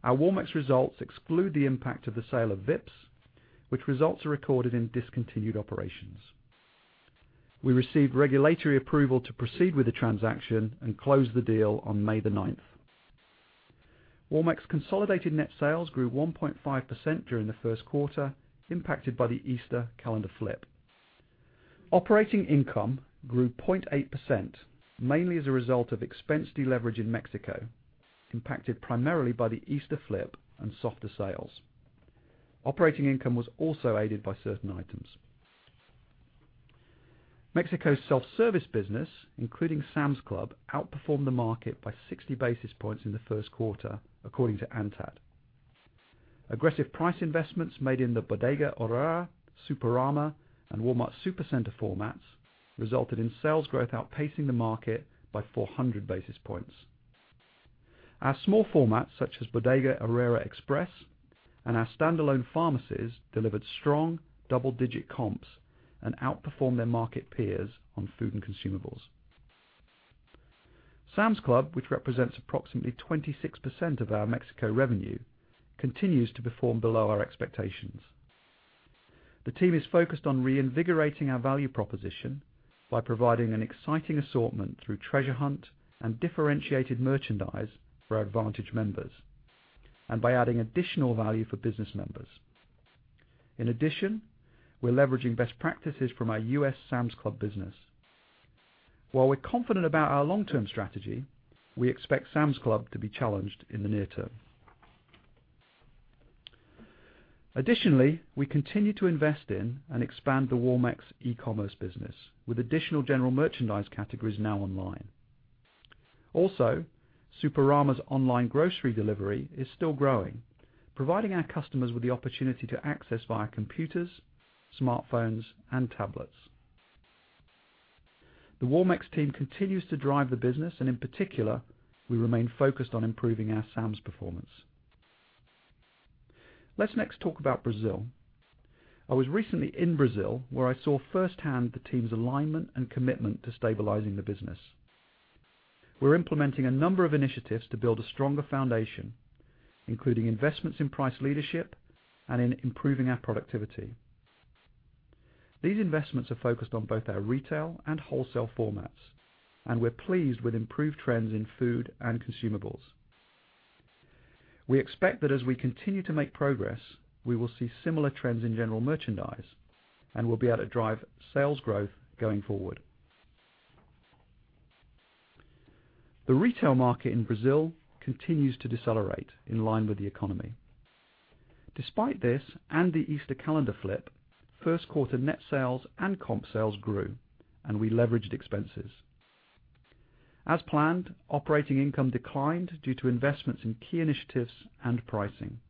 Our Walmex results exclude the impact of the sale of Vips, which results are recorded in discontinued operations. We received regulatory approval to proceed with the transaction and closed the deal on May 9th. Walmex consolidated net sales grew 1.5% during the first quarter, impacted by the Easter calendar flip. Operating income grew 0.8%, mainly as a result of expense deleverage in Mexico, impacted primarily by the Easter flip and softer sales. Operating income was also aided by certain items. Mexico's self-service business, including Sam's Club, outperformed the market by 60 basis points in the first quarter, according to ANTAD. Aggressive price investments made in the Bodega Aurrerá, Superama, and Walmart Supercenter formats resulted in sales growth outpacing the market by 400 basis points. Our small formats, such as Bodega Aurrerá Express and our standalone pharmacies, delivered strong double-digit comps and outperformed their market peers on food and consumables. Sam's Club, which represents approximately 26% of our Mexico revenue, continues to perform below our expectations. The team is focused on reinvigorating our value proposition by providing an exciting assortment through Treasure Hunt and differentiated merchandise for our Advantage members and by adding additional value for business members. In addition, we're leveraging best practices from our U.S. Sam's Club business. While we're confident about our long-term strategy, we expect Sam's Club to be challenged in the near term. We continue to invest in and expand the Walmex e-commerce business, with additional general merchandise categories now online. Superama's online grocery delivery is still growing, providing our customers with the opportunity to access via computers, smartphones, and tablets. The Walmex team continues to drive the business, and in particular, we remain focused on improving our Sam's performance. Let's next talk about Brazil. I was recently in Brazil, where I saw firsthand the team's alignment and commitment to stabilizing the business. We're implementing a number of initiatives to build a stronger foundation, including investments in price leadership and in improving our productivity. These investments are focused on both our retail and wholesale formats, and we're pleased with improved trends in food and consumables. We expect that as we continue to make progress, we will see similar trends in general merchandise and will be able to drive sales growth going forward. The retail market in Brazil continues to decelerate in line with the economy. Despite this and the Easter calendar flip, first quarter net sales and comp sales grew, and we leveraged expenses. As planned, operating income declined due to investments in key initiatives and pricing.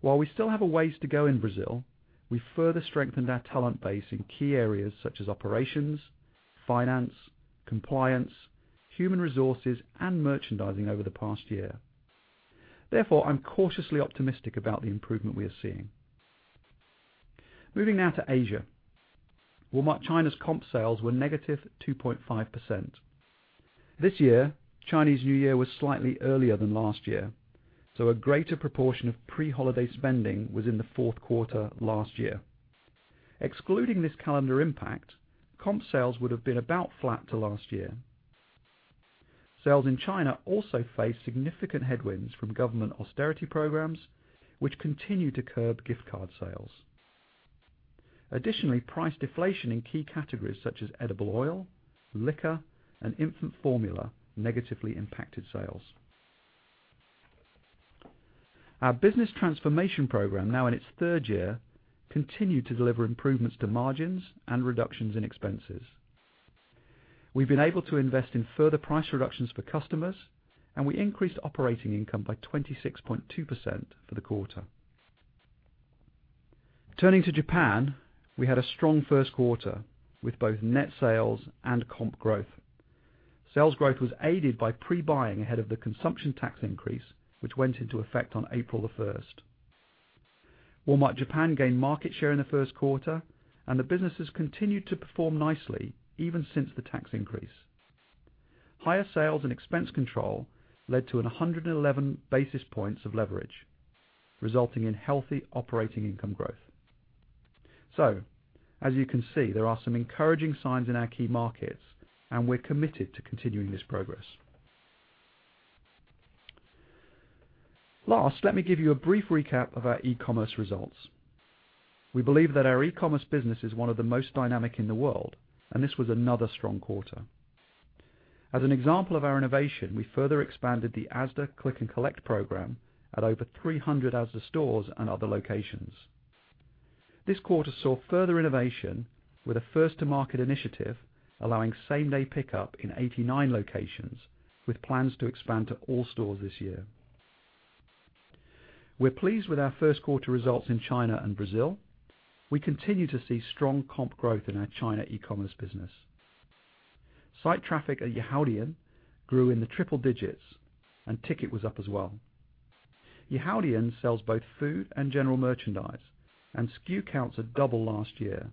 While we still have a ways to go in Brazil, we further strengthened our talent base in key areas such as operations, finance, compliance, human resources, and merchandising over the past year. I'm cautiously optimistic about the improvement we are seeing. Moving now to Asia. Walmart China's comp sales were negative 2.5%. This year, Chinese New Year was slightly earlier than last year, so a greater proportion of pre-holiday spending was in the fourth quarter last year. Excluding this calendar impact, comp sales would have been about flat to last year. Sales in China faced significant headwinds from government austerity programs, which continue to curb gift card sales. Price deflation in key categories such as edible oil, liquor, and infant formula negatively impacted sales. Our business transformation program, now in its third year, continued to deliver improvements to margins and reductions in expenses. We've been able to invest in further price reductions for customers, and we increased operating income by 26.2% for the quarter. Turning to Japan, we had a strong first quarter with both net sales and comp growth. Sales growth was aided by pre-buying ahead of the consumption tax increase, which went into effect on April the 1st. Walmart Japan gained market share in the first quarter, and the business has continued to perform nicely even since the tax increase. Higher sales and expense control led to a 111 basis points of leverage, resulting in healthy operating income growth. As you can see, there are some encouraging signs in our key markets, and we're committed to continuing this progress. Last, let me give you a brief recap of our e-commerce results. We believe that our e-commerce business is one of the most dynamic in the world, and this was another strong quarter. As an example of our innovation, we further expanded the Asda Click & Collect program at over 300 Asda stores and other locations. This quarter saw further innovation with a first-to-market initiative allowing same-day pickup in 89 locations, with plans to expand to all stores this year. We're pleased with our first quarter results in China and Brazil. We continue to see strong comp growth in our China e-commerce business. Site traffic at Yihaodian grew in the triple digits. Ticket was up as well. Yihaodian sells both food and general merchandise. SKU counts have doubled last year,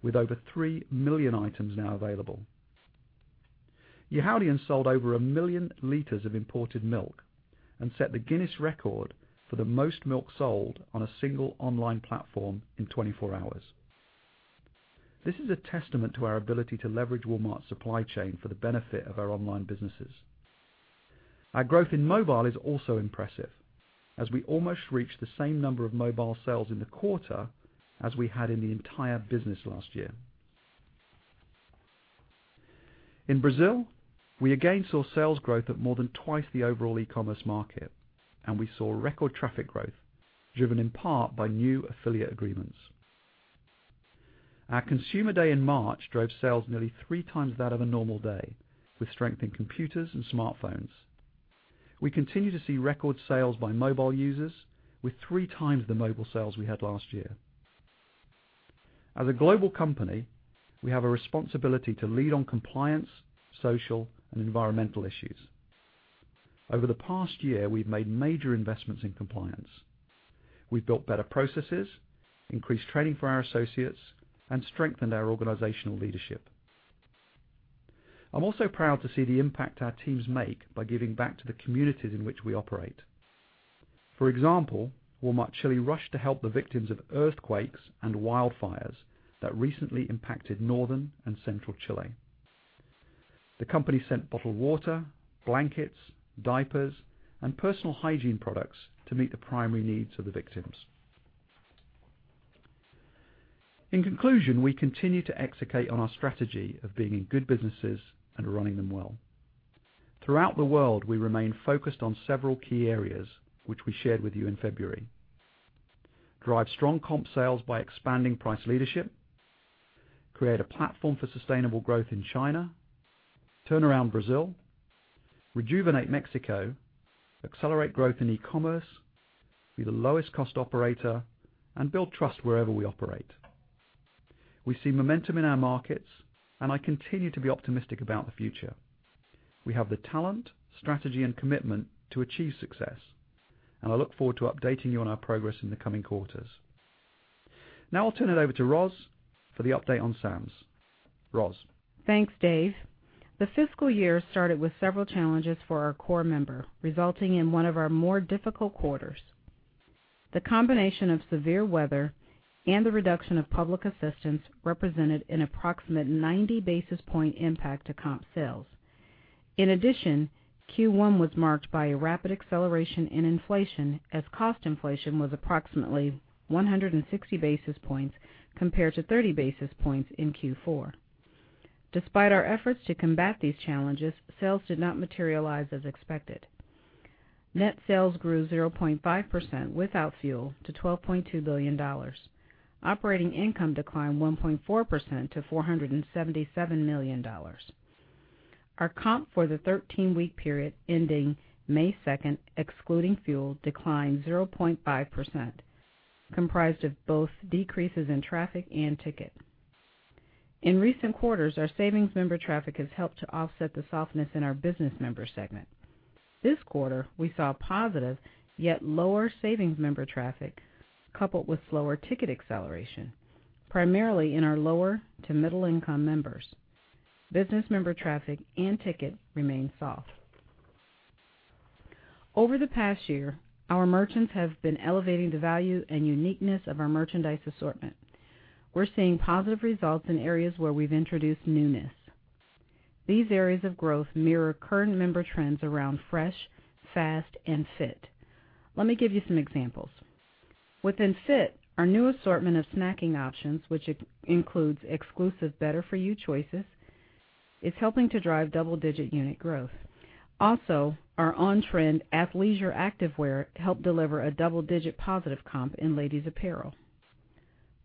with over 3 million items now available. Yihaodian sold over a million liters of imported milk and set the Guinness record for the most milk sold on a single online platform in 24 hours. This is a testament to our ability to leverage Walmart's supply chain for the benefit of our online businesses. Our growth in mobile is also impressive, as we almost reached the same number of mobile sales in the quarter as we had in the entire business last year. In Brazil, we again saw sales growth of more than twice the overall e-commerce market. We saw record traffic growth, driven in part by new affiliate agreements. Our consumer day in March drove sales nearly three times that of a normal day, with strength in computers and smartphones. We continue to see record sales by mobile users, with three times the mobile sales we had last year. As a global company, we have a responsibility to lead on compliance, social, and environmental issues. Over the past year, we've made major investments in compliance. We've built better processes, increased training for our associates, and strengthened our organizational leadership. I'm also proud to see the impact our teams make by giving back to the communities in which we operate. For example, Walmart Chile rushed to help the victims of earthquakes and wildfires that recently impacted northern and central Chile. The company sent bottled water, blankets, diapers, and personal hygiene products to meet the primary needs of the victims. In conclusion, we continue to execute on our strategy of being in good businesses and running them well. Throughout the world, we remain focused on several key areas, which we shared with you in February: drive strong comp sales by expanding price leadership, create a platform for sustainable growth in China, turn around Brazil, rejuvenate Mexico, accelerate growth in e-commerce, be the lowest cost operator. Build trust wherever we operate. We see momentum in our markets, and I continue to be optimistic about the future. We have the talent, strategy, and commitment to achieve success, and I look forward to updating you on our progress in the coming quarters. Now I'll turn it over to Ros for the update on Sam's. Ros. Thanks, Dave. The fiscal year started with several challenges for our core member, resulting in one of our more difficult quarters. The combination of severe weather and the reduction of public assistance represented an approximate 90-basis-point impact to comp sales. In addition, Q1 was marked by a rapid acceleration in inflation, as cost inflation was approximately 160 basis points compared to 30 basis points in Q4. Despite our efforts to combat these challenges, sales did not materialize as expected. Net sales grew 0.5% without fuel to $12.2 billion. Operating income declined 1.4% to $477 million. Our comp for the 13-week period ending May 2nd, excluding fuel, declined 0.5%, comprised of both decreases in traffic and ticket. In recent quarters, our savings member traffic has helped to offset the softness in our business member segment. This quarter, we saw positive, yet lower savings member traffic coupled with slower ticket acceleration, primarily in our lower to middle income members. Business member traffic and ticket remained soft. Over the past year, our merchants have been elevating the value and uniqueness of our merchandise assortment. We're seeing positive results in areas where we've introduced newness. These areas of growth mirror current member trends around fresh, fast, and fit. Let me give you some examples. Within Fit, our new assortment of snacking options, which includes exclusive better-for-you choices, is helping to drive double-digit unit growth. Also, our on-trend athleisure activewear helped deliver a double-digit positive comp in ladies apparel.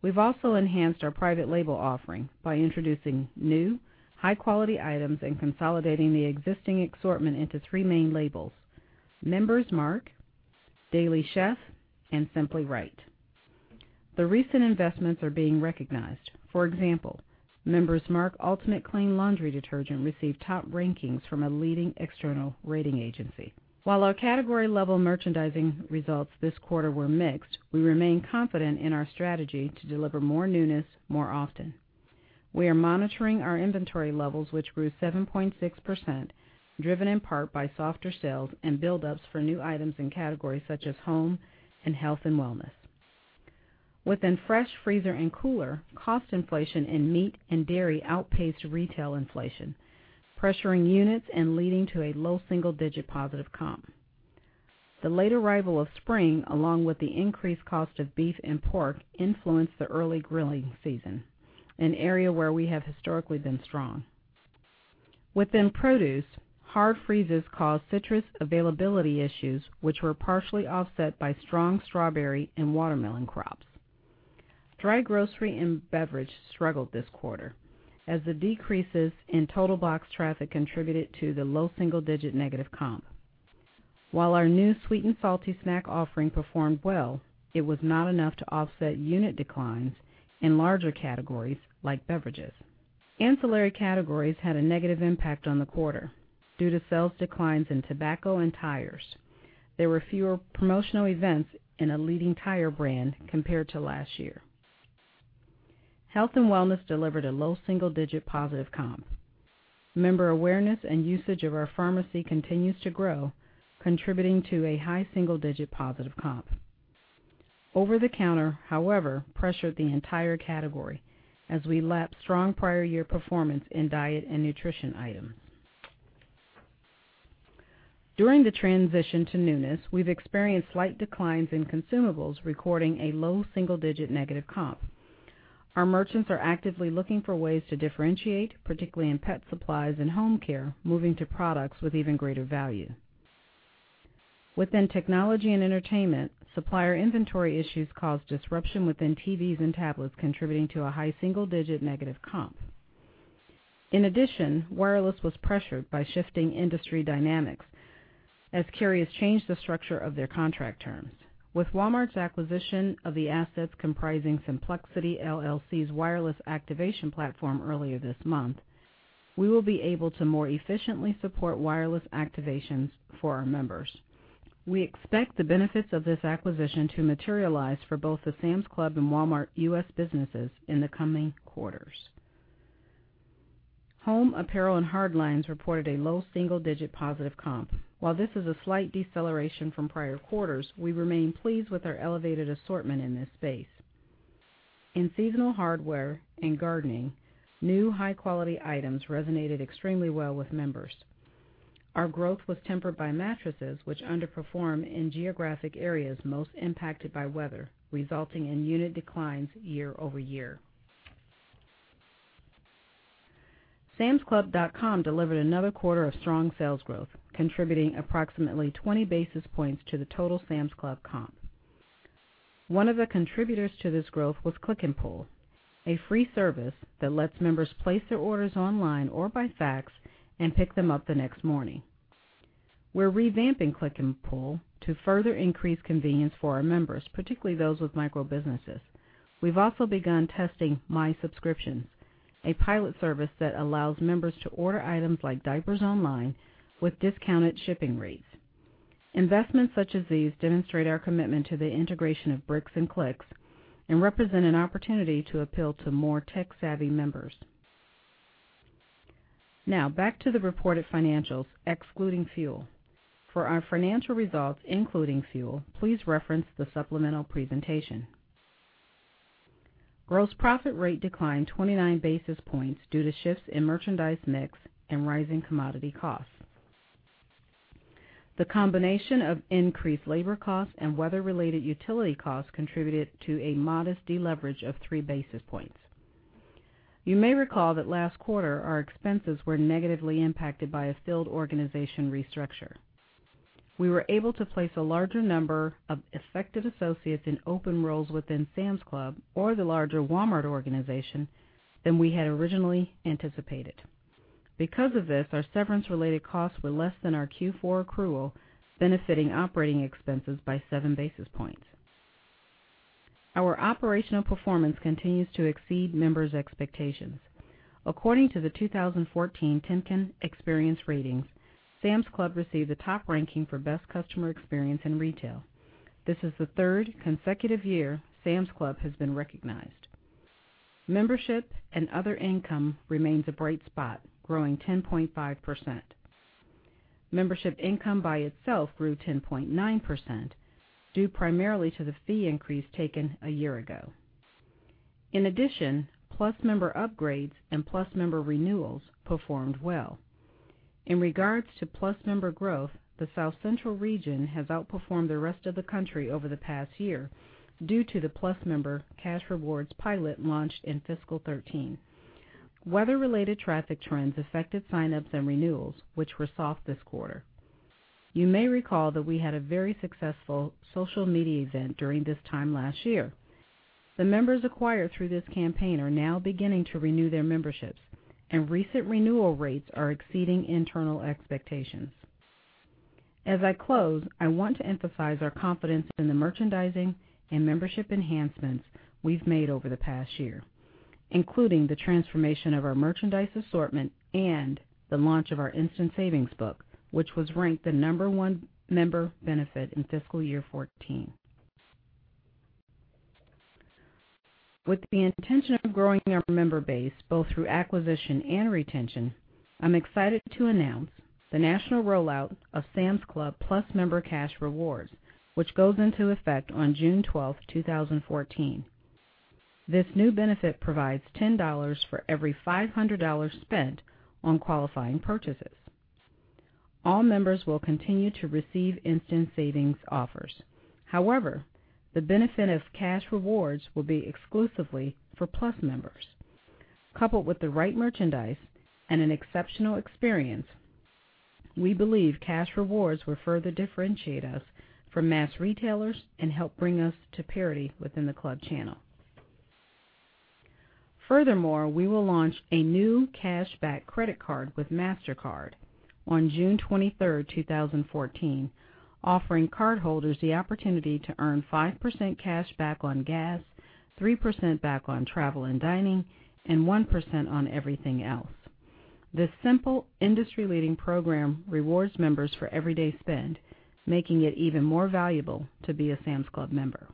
We've also enhanced our private label offering by introducing new, high-quality items and consolidating the existing assortment into three main labels: Member's Mark, Daily Chef, and Simply Right. The recent investments are being recognized. For example, Member's Mark Ultimate Clean Laundry Detergent received top rankings from a leading external rating agency. While our category-level merchandising results this quarter were mixed, we remain confident in our strategy to deliver more newness more often. We are monitoring our inventory levels, which grew 7.6%, driven in part by softer sales and buildups for new items in categories such as home and health and wellness. Within fresh freezer and cooler, cost inflation in meat and dairy outpaced retail inflation, pressuring units and leading to a low single-digit positive comp. The late arrival of spring, along with the increased cost of beef and pork, influenced the early grilling season, an area where we have historically been strong. Within produce, hard freezes caused citrus availability issues, which were partially offset by strong strawberry and watermelon crops. Dry grocery and beverage struggled this quarter, as the decreases in total box traffic contributed to the low single-digit negative comp. While our new sweet and salty snack offering performed well, it was not enough to offset unit declines in larger categories like beverages. Ancillary categories had a negative impact on the quarter due to sales declines in tobacco and tires. There were fewer promotional events in a leading tire brand compared to last year. Health and wellness delivered a low single-digit positive comp. Member awareness and usage of our pharmacy continues to grow, contributing to a high single-digit positive comp. Over-the-counter, however, pressured the entire category as we lapped strong prior year performance in diet and nutrition items. During the transition to newness, we've experienced slight declines in consumables, recording a low single-digit negative comp. Our merchants are actively looking for ways to differentiate, particularly in pet supplies and home care, moving to products with even greater value. Within technology and entertainment, supplier inventory issues caused disruption within TVs and tablets, contributing to a high single-digit negative comp. In addition, wireless was pressured by shifting industry dynamics as carriers changed the structure of their contract terms. With Walmart's acquisition of the assets comprising Simplexity, LLC's wireless activation platform earlier this month, we will be able to more efficiently support wireless activations for our members. We expect the benefits of this acquisition to materialize for both the Sam's Club and Walmart U.S. businesses in the coming quarters. Home, apparel, and hard lines reported a low single-digit positive comp. While this is a slight deceleration from prior quarters, we remain pleased with our elevated assortment in this space. In seasonal hardware and gardening, new high-quality items resonated extremely well with members. Our growth was tempered by mattresses, which underperform in geographic areas most impacted by weather, resulting in unit declines year-over-year. SamsClub.com delivered another quarter of strong sales growth, contributing approximately 20 basis points to the total Sam's Club comp. One of the contributors to this growth was Click & Pull, a free service that lets members place their orders online or by fax and pick them up the next morning. We're revamping Click & Pull to further increase convenience for our members, particularly those with micro-businesses. We've also begun testing My Subscription, a pilot service that allows members to order items like diapers online with discounted shipping rates. Investments such as these demonstrate our commitment to the integration of bricks and clicks and represent an opportunity to appeal to more tech-savvy members. Now back to the reported financials, excluding fuel. For our financial results including fuel, please reference the supplemental presentation. Gross profit rate declined 29 basis points due to shifts in merchandise mix and rising commodity costs. The combination of increased labor costs and weather-related utility costs contributed to a modest deleverage of three basis points. You may recall that last quarter, our expenses were negatively impacted by a field organization restructure. We were able to place a larger number of affected associates in open roles within Sam's Club or the larger Walmart organization than we had originally anticipated. Because of this, our severance-related costs were less than our Q4 accrual, benefiting operating expenses by seven basis points. Our operational performance continues to exceed members' expectations. According to the 2014 Temkin Experience Ratings, Sam's Club received the top ranking for best customer experience in retail. This is the third consecutive year Sam's Club has been recognized. Membership and other income remains a bright spot, growing 10.5%. Membership income by itself grew 10.9%, due primarily to the fee increase taken a year ago. In addition, Plus member upgrades and Plus member renewals performed well. In regards to Plus member growth, the South Central region has outperformed the rest of the country over the past year due to the Plus member cash rewards pilot launched in fiscal 2013. Weather-related traffic trends affected sign-ups and renewals, which were soft this quarter. You may recall that we had a very successful social media event during this time last year. The members acquired through this campaign are now beginning to renew their memberships, and recent renewal rates are exceeding internal expectations. As I close, I want to emphasize our confidence in the merchandising and membership enhancements we've made over the past year, including the transformation of our merchandise assortment and the launch of our Instant Savings Book, which was ranked the number one member benefit in fiscal year 2014. With the intention of growing our member base, both through acquisition and retention, I'm excited to announce the national rollout of Sam's Club Plus Member Cash Rewards, which goes into effect on June 12, 2014. This new benefit provides $10 for every $500 spent on qualifying purchases. All members will continue to receive Instant Savings offers. However, the benefit of cash rewards will be exclusively for Plus members. Coupled with the right merchandise and an exceptional experience, we believe cash rewards will further differentiate us from mass retailers and help bring us to parity within the club channel. We will launch a new cashback credit card with Mastercard. On June 23, 2014, offering cardholders the opportunity to earn 5% cash back on gas, 3% back on travel and dining, and 1% on everything else. This simple industry-leading program rewards members for everyday spend, making it even more valuable to be a Sam's Club member.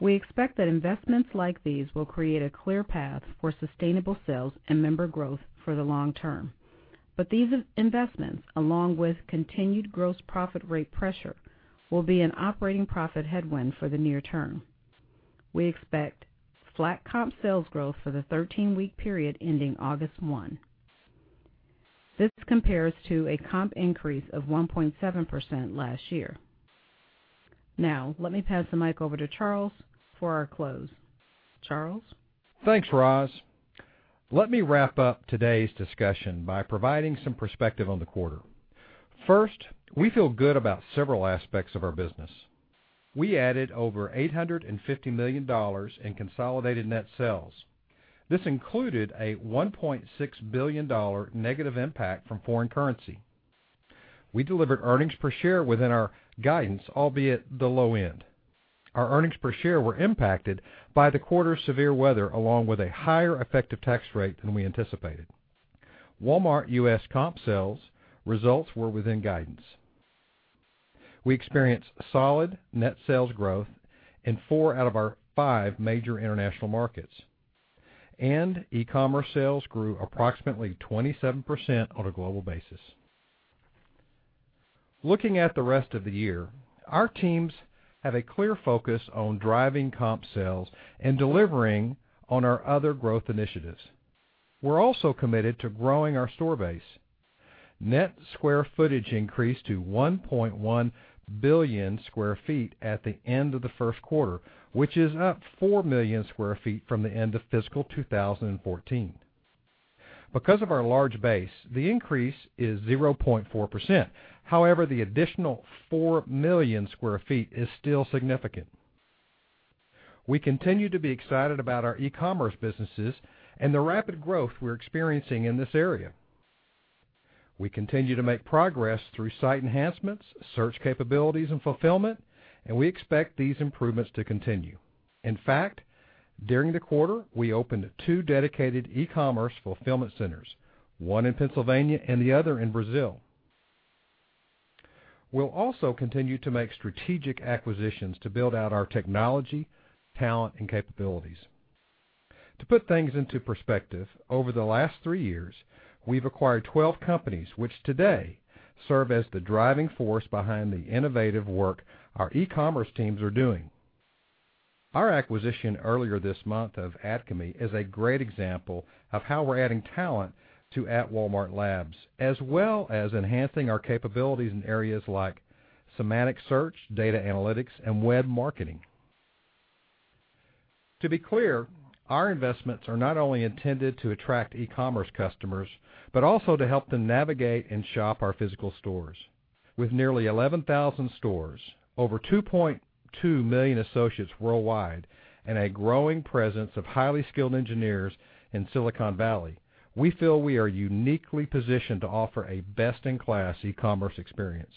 We expect that investments like these will create a clear path for sustainable sales and member growth for the long term. These investments, along with continued gross profit rate pressure, will be an operating profit headwind for the near term. We expect flat comp sales growth for the 13-week period ending August 1. This compares to a comp increase of 1.7% last year. Let me pass the mic over to Charles for our close. Charles? Thanks, Ros. Let me wrap up today's discussion by providing some perspective on the quarter. We feel good about several aspects of our business. We added over $850 million in consolidated net sales. This included a $1.6 billion negative impact from foreign currency. We delivered earnings per share within our guidance, albeit the low end. Our earnings per share were impacted by the quarter's severe weather, along with a higher effective tax rate than we anticipated. Walmart U.S. comp sales results were within guidance. We experienced solid net sales growth in four out of our five major international markets, and e-commerce sales grew approximately 27% on a global basis. Looking at the rest of the year, our teams have a clear focus on driving comp sales and delivering on our other growth initiatives. We're also committed to growing our store base. Net square footage increased to 1.1 billion sq ft at the end of the first quarter, which is up 4 million sq ft from the end of fiscal 2014. Because of our large base, the increase is 0.4%. The additional 4 million sq ft is still significant. We continue to be excited about our e-commerce businesses and the rapid growth we're experiencing in this area. We continue to make progress through site enhancements, search capabilities, and fulfillment, and we expect these improvements to continue. In fact, during the quarter, we opened two dedicated e-commerce fulfillment centers, one in Pennsylvania and the other in Brazil. We'll also continue to make strategic acquisitions to build out our technology, talent, and capabilities. To put things into perspective, over the last three years, we've acquired 12 companies, which today serve as the driving force behind the innovative work our e-commerce teams are doing. Our acquisition earlier this month of Adchemy is a great example of how we're adding talent to Walmart Labs, as well as enhancing our capabilities in areas like semantic search, data analytics, and web marketing. To be clear, our investments are not only intended to attract e-commerce customers, but also to help them navigate and shop our physical stores. With nearly 11,000 stores, over 2.2 million associates worldwide, and a growing presence of highly skilled engineers in Silicon Valley, we feel we are uniquely positioned to offer a best-in-class e-commerce experience.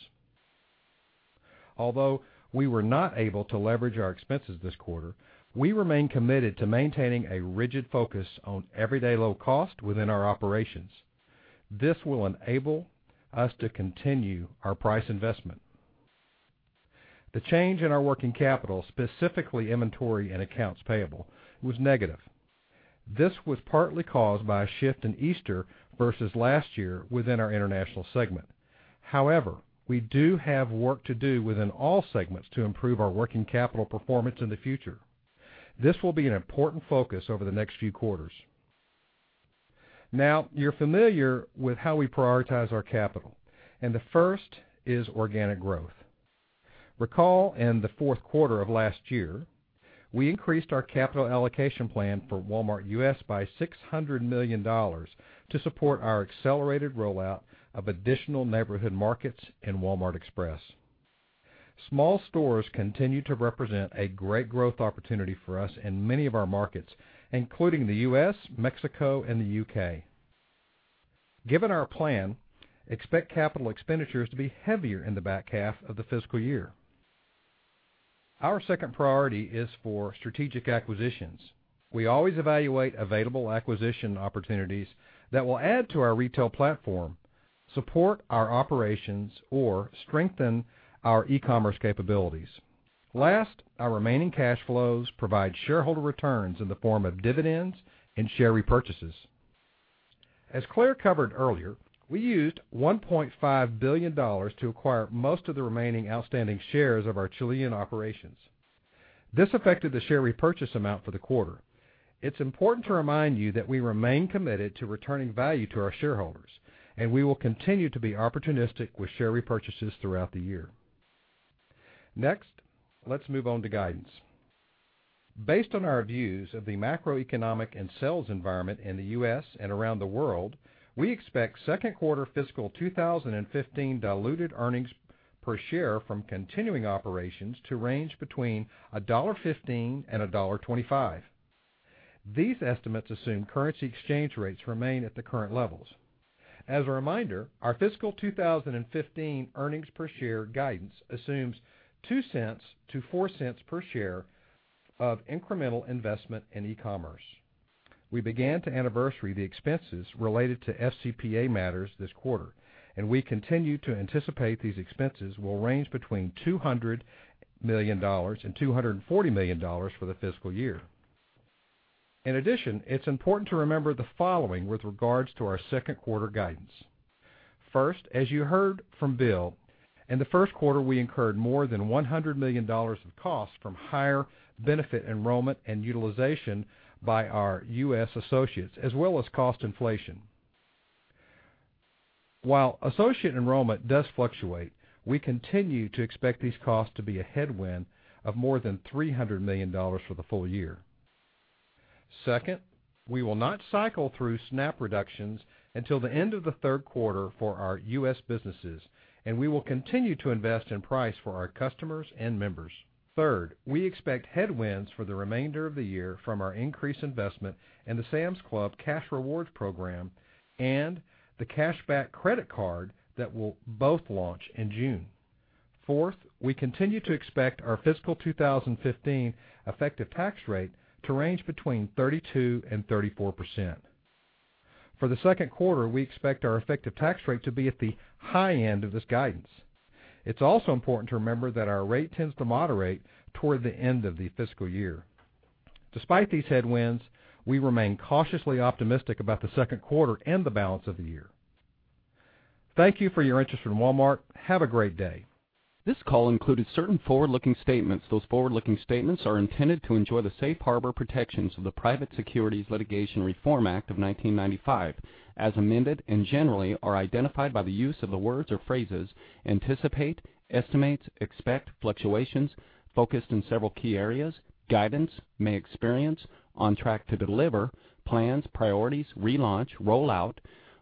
Although we were not able to leverage our expenses this quarter, we remain committed to maintaining a rigid focus on everyday low cost within our operations. This will enable us to continue our price investment. The change in our working capital, specifically inventory and accounts payable, was negative. This was partly caused by a shift in Easter versus last year within our international segment. We do have work to do within all segments to improve our working capital performance in the future. This will be an important focus over the next few quarters. You're familiar with how we prioritize our capital, and the first is organic growth. Recall in the fourth quarter of last year, we increased our capital allocation plan for Walmart U.S. by $600 million to support our accelerated rollout of additional Walmart Neighborhood Market and Walmart Express. Small stores continue to represent a great growth opportunity for us in many of our markets, including the U.S., Mexico, and the U.K. Given our plan, expect capital expenditures to be heavier in the back half of the fiscal year. Our second priority is for strategic acquisitions. We always evaluate available acquisition opportunities that will add to our retail platform, support our operations, or strengthen our e-commerce capabilities. Last, our remaining cash flows provide shareholder returns in the form of dividends and share repurchases. As Claire covered earlier, we used $1.5 billion to acquire most of the remaining outstanding shares of our Chilean operations. This affected the share repurchase amount for the quarter. It's important to remind you that we remain committed to returning value to our shareholders, and we will continue to be opportunistic with share repurchases throughout the year. Next, let's move on to guidance. Based on our views of the macroeconomic and sales environment in the U.S. and around the world, we expect second quarter fiscal 2015 diluted earnings per share from continuing operations to range between $1.15-$1.25. These estimates assume currency exchange rates remain at the current levels. As a reminder, our fiscal 2015 earnings per share guidance assumes $0.02-$0.04 per share of incremental investment in e-commerce. We began to anniversary the expenses related to FCPA matters this quarter, and we continue to anticipate these expenses will range between $200 million-$240 million for the fiscal year. In addition, it's important to remember the following with regards to our second quarter guidance. First, as you heard from Bill, in the first quarter, we incurred more than $100 million of costs from higher benefit enrollment and utilization by our U.S. associates, as well as cost inflation. While associate enrollment does fluctuate, we continue to expect these costs to be a headwind of more than $300 million for the full year. Second, we will not cycle through SNAP reductions until the end of the third quarter for our U.S. businesses, and we will continue to invest in price for our customers and members. Third, we expect headwinds for the remainder of the year from our increased investment in the Sam's Club cash rewards program and the cashback credit card that will both launch in June. Fourth, we continue to expect our fiscal year 2015 effective tax rate to range between 32%-34%. For the second quarter, we expect our effective tax rate to be at the high end of this guidance. It's also important to remember that our rate tends to moderate toward the end of the fiscal year. Despite these headwinds, we remain cautiously optimistic about the second quarter and the balance of the year. Thank you for your interest in Walmart. Have a great day. This call included certain forward-looking statements. Those forward-looking statements are intended to enjoy the safe harbor protections of the Private Securities Litigation Reform Act of 1995, as amended, and generally are identified by the use of the words or phrases anticipate, estimate, expect, fluctuations, focused in several key areas, guidance, may experience, on track to deliver, plans, priorities, relaunch, rollout,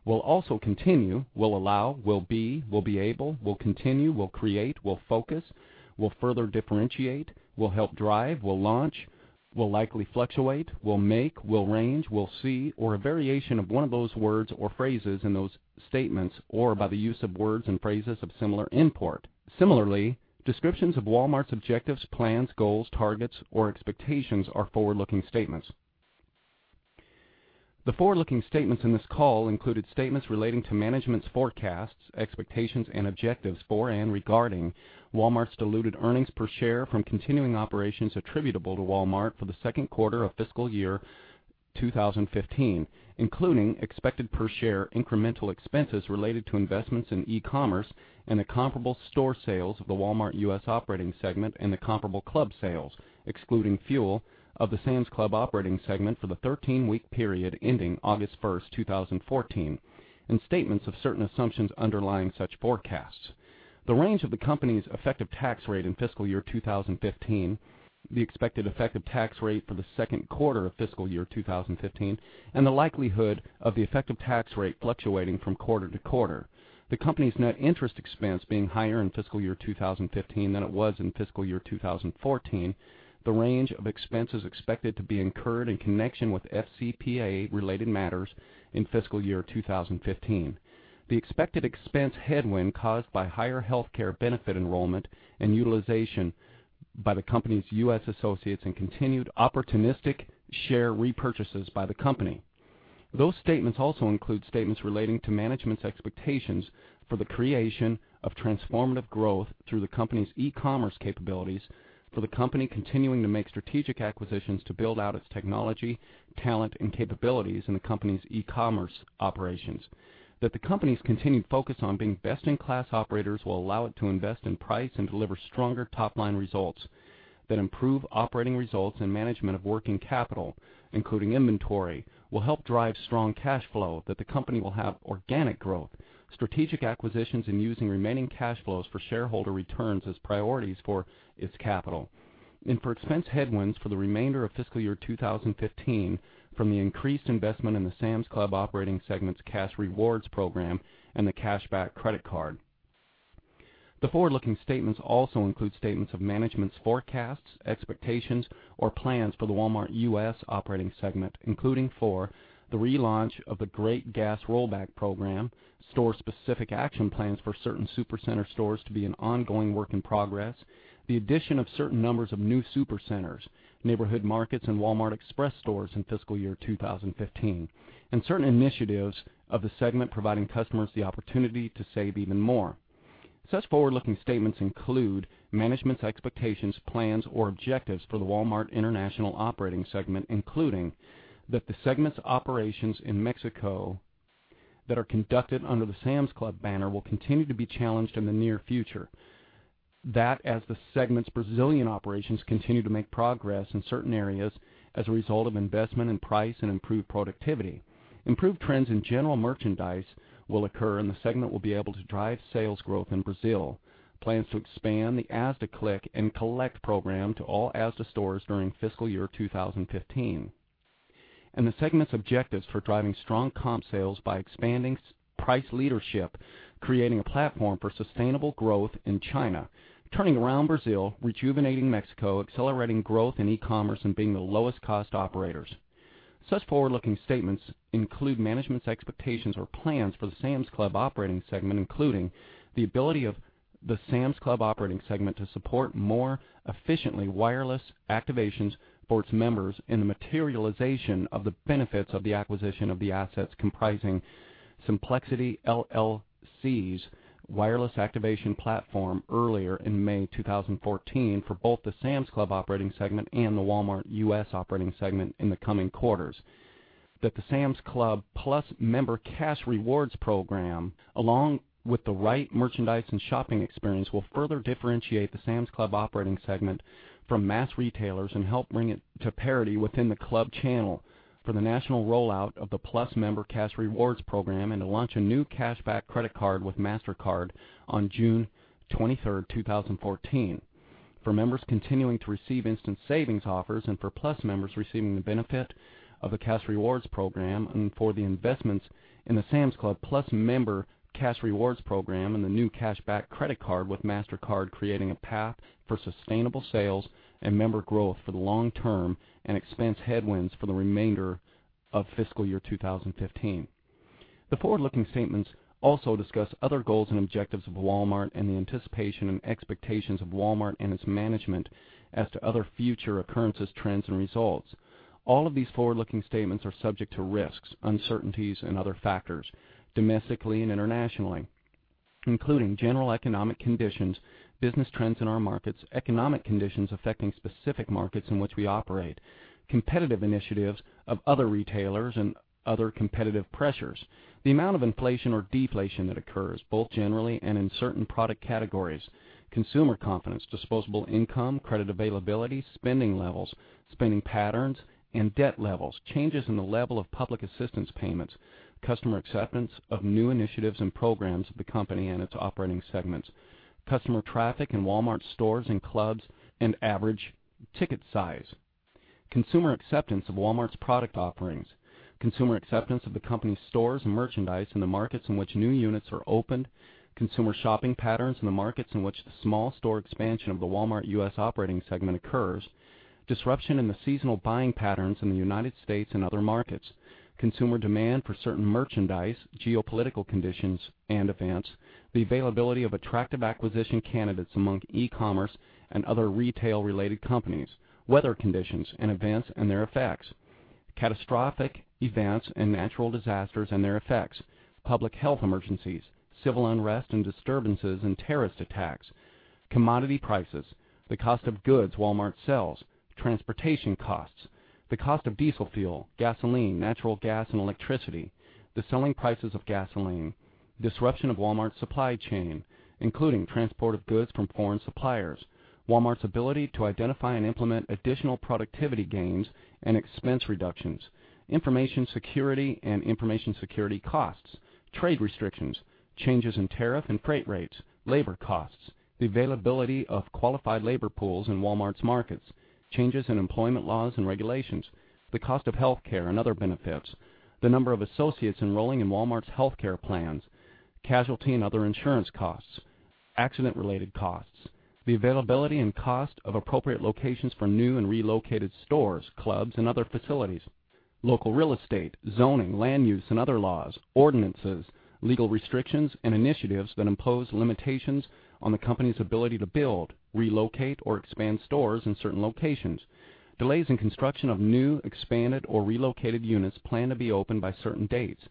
will also continue, will allow, will be, will be able, will continue, will create, will focus, will further differentiate, will help drive, will launch, will likely fluctuate, will make, will range, we'll see, or a variation of one of those words or phrases in those statements, or by the use of words and phrases of similar import. Similarly, descriptions of Walmart's objectives, plans, goals, targets, or expectations are forward-looking statements. The forward-looking statements in this call included statements relating to management's forecasts, expectations, and objectives for and regarding Walmart's diluted earnings per share from continuing operations attributable to Walmart for the second quarter of fiscal year 2015, including expected per share incremental expenses related to investments in e-commerce and the comparable store sales of the Walmart U.S. operating segment and the comparable club sales, excluding fuel, of the Sam's Club operating segment for the 13-week period ending August 1, 2014, and statements of certain assumptions underlying such forecasts. The range of the company's effective tax rate in fiscal year 2015, the expected effective tax rate for the second quarter of fiscal year 2015, and the likelihood of the effective tax rate fluctuating from quarter to quarter. The company's net interest expense being higher in fiscal year 2015 than it was in fiscal year 2014. The range of expenses expected to be incurred in connection with FCPA-related matters in fiscal year 2015. The expected expense headwind caused by higher healthcare benefit enrollment and utilization by the company's U.S. associates and continued opportunistic share repurchases by the company. Those statements also include statements relating to management's expectations for the creation of transformative growth through the company's e-commerce capabilities for the company continuing to make strategic acquisitions to build out its technology, talent, and capabilities in the company's e-commerce operations. That the company's continued focus on being best-in-class operators will allow it to invest in price and deliver stronger top-line results that improve operating results and management of working capital, including inventory, will help drive strong cash flow that the company will have organic growth, strategic acquisitions, and using remaining cash flows for shareholder returns as priorities for its capital. For expense headwinds for the remainder of fiscal year 2015 from the increased investment in the Sam's Club operating segment's cash rewards program and the cashback credit card. The forward-looking statements also include statements of management's forecasts, expectations, or plans for the Walmart U.S. operating segment, including for the relaunch of the Great Gas Rollback program, store-specific action plans for certain Supercenter stores to be an ongoing work in progress, the addition of certain numbers of new Supercenters, Neighborhood Markets, and Walmart Express stores in fiscal year 2015, and certain initiatives of the segment providing customers the opportunity to save even more. Such forward-looking statements include management's expectations, plans, or objectives for the Walmart International operating segment, including that the segment's operations in Mexico that are conducted under the Sam's Club banner will continue to be challenged in the near future. As the segment's Brazilian operations continue to make progress in certain areas as a result of investment in price and improved productivity. Improved trends in general merchandise will occur, and the segment will be able to drive sales growth in Brazil. Plans to expand the Asda Click & Collect program to all Asda stores during fiscal year 2015. The segment's objectives for driving strong comp sales by expanding price leadership, creating a platform for sustainable growth in China, turning around Brazil, rejuvenating Mexico, accelerating growth in e-commerce, and being the lowest cost operators. Such forward-looking statements include management's expectations or plans for the Sam's Club operating segment, including the ability of the Sam's Club operating segment to support more efficiently wireless activations for its members and the materialization of the benefits of the acquisition of the assets comprising Simplexity, LLC's wireless activation platform earlier in May 2014 for both the Sam's Club operating segment and the Walmart U.S. operating segment in the coming quarters. The Sam's Club Plus member cash rewards program, along with the right merchandise and shopping experience, will further differentiate the Sam's Club operating segment from mass retailers and help bring it to parity within the club channel for the national rollout of the Plus member cash rewards program and to launch a new cashback credit card with Mastercard on June 23rd, 2014. For members continuing to receive Instant Savings offers and for Plus members receiving the benefit of a cash rewards program and for the investments in the Sam's Club Plus member cash rewards program and the new cashback credit card with Mastercard creating a path for sustainable sales and member growth for the long term and expense headwinds for the remainder of fiscal year 2015. The forward-looking statements also discuss other goals and objectives of Walmart and the anticipation and expectations of Walmart and its management as to other future occurrences, trends, and results. All of these forward-looking statements are subject to risks, uncertainties and other factors, domestically and internationally, including general economic conditions, business trends in our markets, economic conditions affecting specific markets in which we operate, competitive initiatives of other retailers and other competitive pressures, the amount of inflation or deflation that occurs, both generally and in certain product categories, consumer confidence, disposable income, credit availability, spending levels, spending patterns and debt levels, changes in the level of public assistance payments, customer acceptance of new initiatives and programs of the company and its operating segments, customer traffic in Walmart stores and clubs, and average ticket size. Consumer acceptance of Walmart's product offerings. Consumer acceptance of the company's stores and merchandise in the markets in which new units are opened. Consumer shopping patterns in the markets in which the small store expansion of the Walmart U.S. operating segment occurs. Disruption in the seasonal buying patterns in the United States and other markets. Consumer demand for certain merchandise, geopolitical conditions and events. The availability of attractive acquisition candidates among e-commerce and other retail-related companies. Weather conditions and events and their effects. Catastrophic events and natural disasters and their effects. Public health emergencies, civil unrest and disturbances and terrorist attacks. Commodity prices. The cost of goods Walmart sells. Transportation costs. The cost of diesel fuel, gasoline, natural gas, and electricity. The selling prices of gasoline. Disruption of Walmart's supply chain, including transport of goods from foreign suppliers. Walmart's ability to identify and implement additional productivity gains and expense reductions. Information security and information security costs. Trade restrictions. Changes in tariff and freight rates. Labor costs. The availability of qualified labor pools in Walmart's markets. Changes in employment laws and regulations. The cost of healthcare and other benefits. The number of associates enrolling in Walmart's healthcare plans. Casualty and other insurance costs. Accident-related costs. The availability and cost of appropriate locations for new and relocated stores, clubs and other facilities. Local real estate, zoning, land use and other laws, ordinances, legal restrictions and initiatives that impose limitations on the company's ability to build, relocate, or expand stores in certain locations. Delays in construction of new, expanded, or relocated units planned to be opened by certain dates.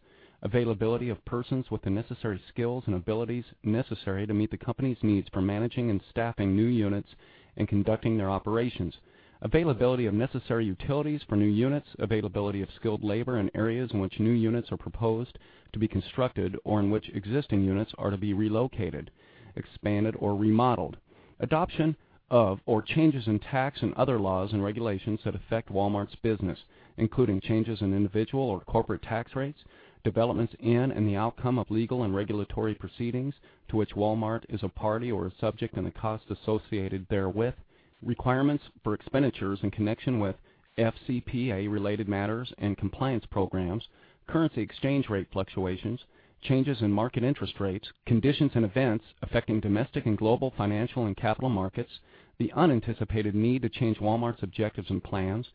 Availability of persons with the necessary skills and abilities necessary to meet the company's needs for managing and staffing new units and conducting their operations. Availability of necessary utilities for new units. Availability of skilled labor in areas in which new units are proposed to be constructed or in which existing units are to be relocated, expanded, or remodeled. Adoption of, or changes in tax and other laws and regulations that affect Walmart's business, including changes in individual or corporate tax rates, developments in and the outcome of legal and regulatory proceedings to which Walmart is a party or a subject and the cost associated therewith. Requirements for expenditures in connection with FCPA related matters and compliance programs. Currency exchange rate fluctuations. Changes in market interest rates. Conditions and events affecting domestic and global financial and capital markets. The unanticipated need to change Walmart's objectives and plans.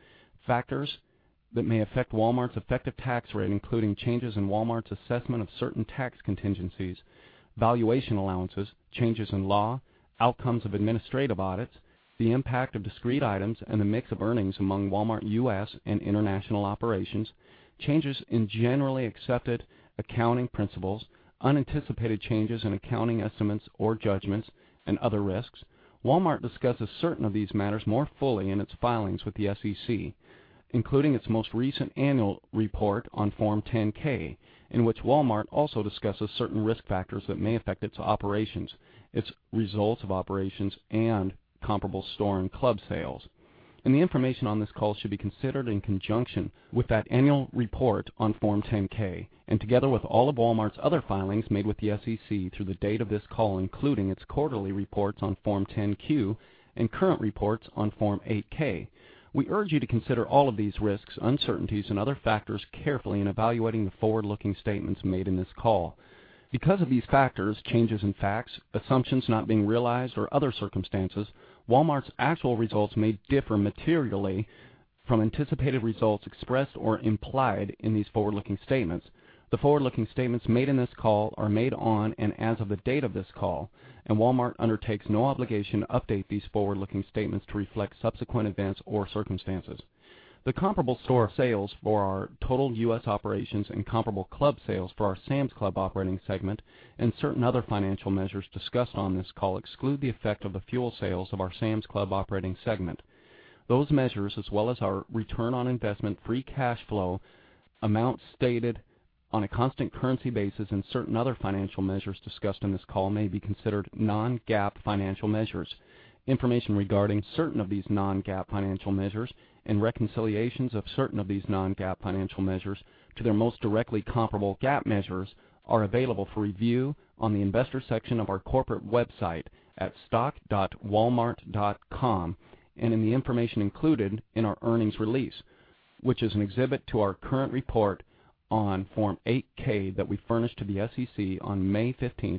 Factors that may affect Walmart's effective tax rate, including changes in Walmart's assessment of certain tax contingencies, valuation allowances, changes in law, outcomes of administrative audits, the impact of discrete items, and the mix of earnings among Walmart U.S. and international operations. Changes in generally accepted accounting principles. Unanticipated changes in accounting estimates or judgments and other risks. Walmart discusses certain of these matters more fully in its filings with the SEC, including its most recent annual report on Form 10-K, in which Walmart also discusses certain risk factors that may affect its operations, its results of operations, and comparable store and club sales. The information on this call should be considered in conjunction with that annual report on Form 10-K, and together with all of Walmart's other filings made with the SEC through the date of this call, including its quarterly reports on Form 10-Q and current reports on Form 8-K. We urge you to consider all of these risks, uncertainties, and other factors carefully in evaluating the forward-looking statements made in this call. Because of these factors, changes in facts, assumptions not being realized, or other circumstances, Walmart's actual results may differ materially from anticipated results expressed or implied in these forward-looking statements. The forward-looking statements made in this call are made on and as of the date of this call, Walmart undertakes no obligation to update these forward-looking statements to reflect subsequent events or circumstances. The comparable store sales for our total U.S. operations and comparable club sales for our Sam's Club operating segment and certain other financial measures discussed on this call exclude the effect of the fuel sales of our Sam's Club operating segment. Those measures, as well as our return on investment, free cash flow amounts stated on a constant currency basis, and certain other financial measures discussed in this call may be considered non-GAAP financial measures. Information regarding certain of these non-GAAP financial measures and reconciliations of certain of these non-GAAP financial measures to their most directly comparable GAAP measures are available for review on the investor section of our corporate website at stock.walmart.com and in the information included in our earnings release, which is an exhibit to our current report on Form 8-K that we furnished to the SEC on May 15th.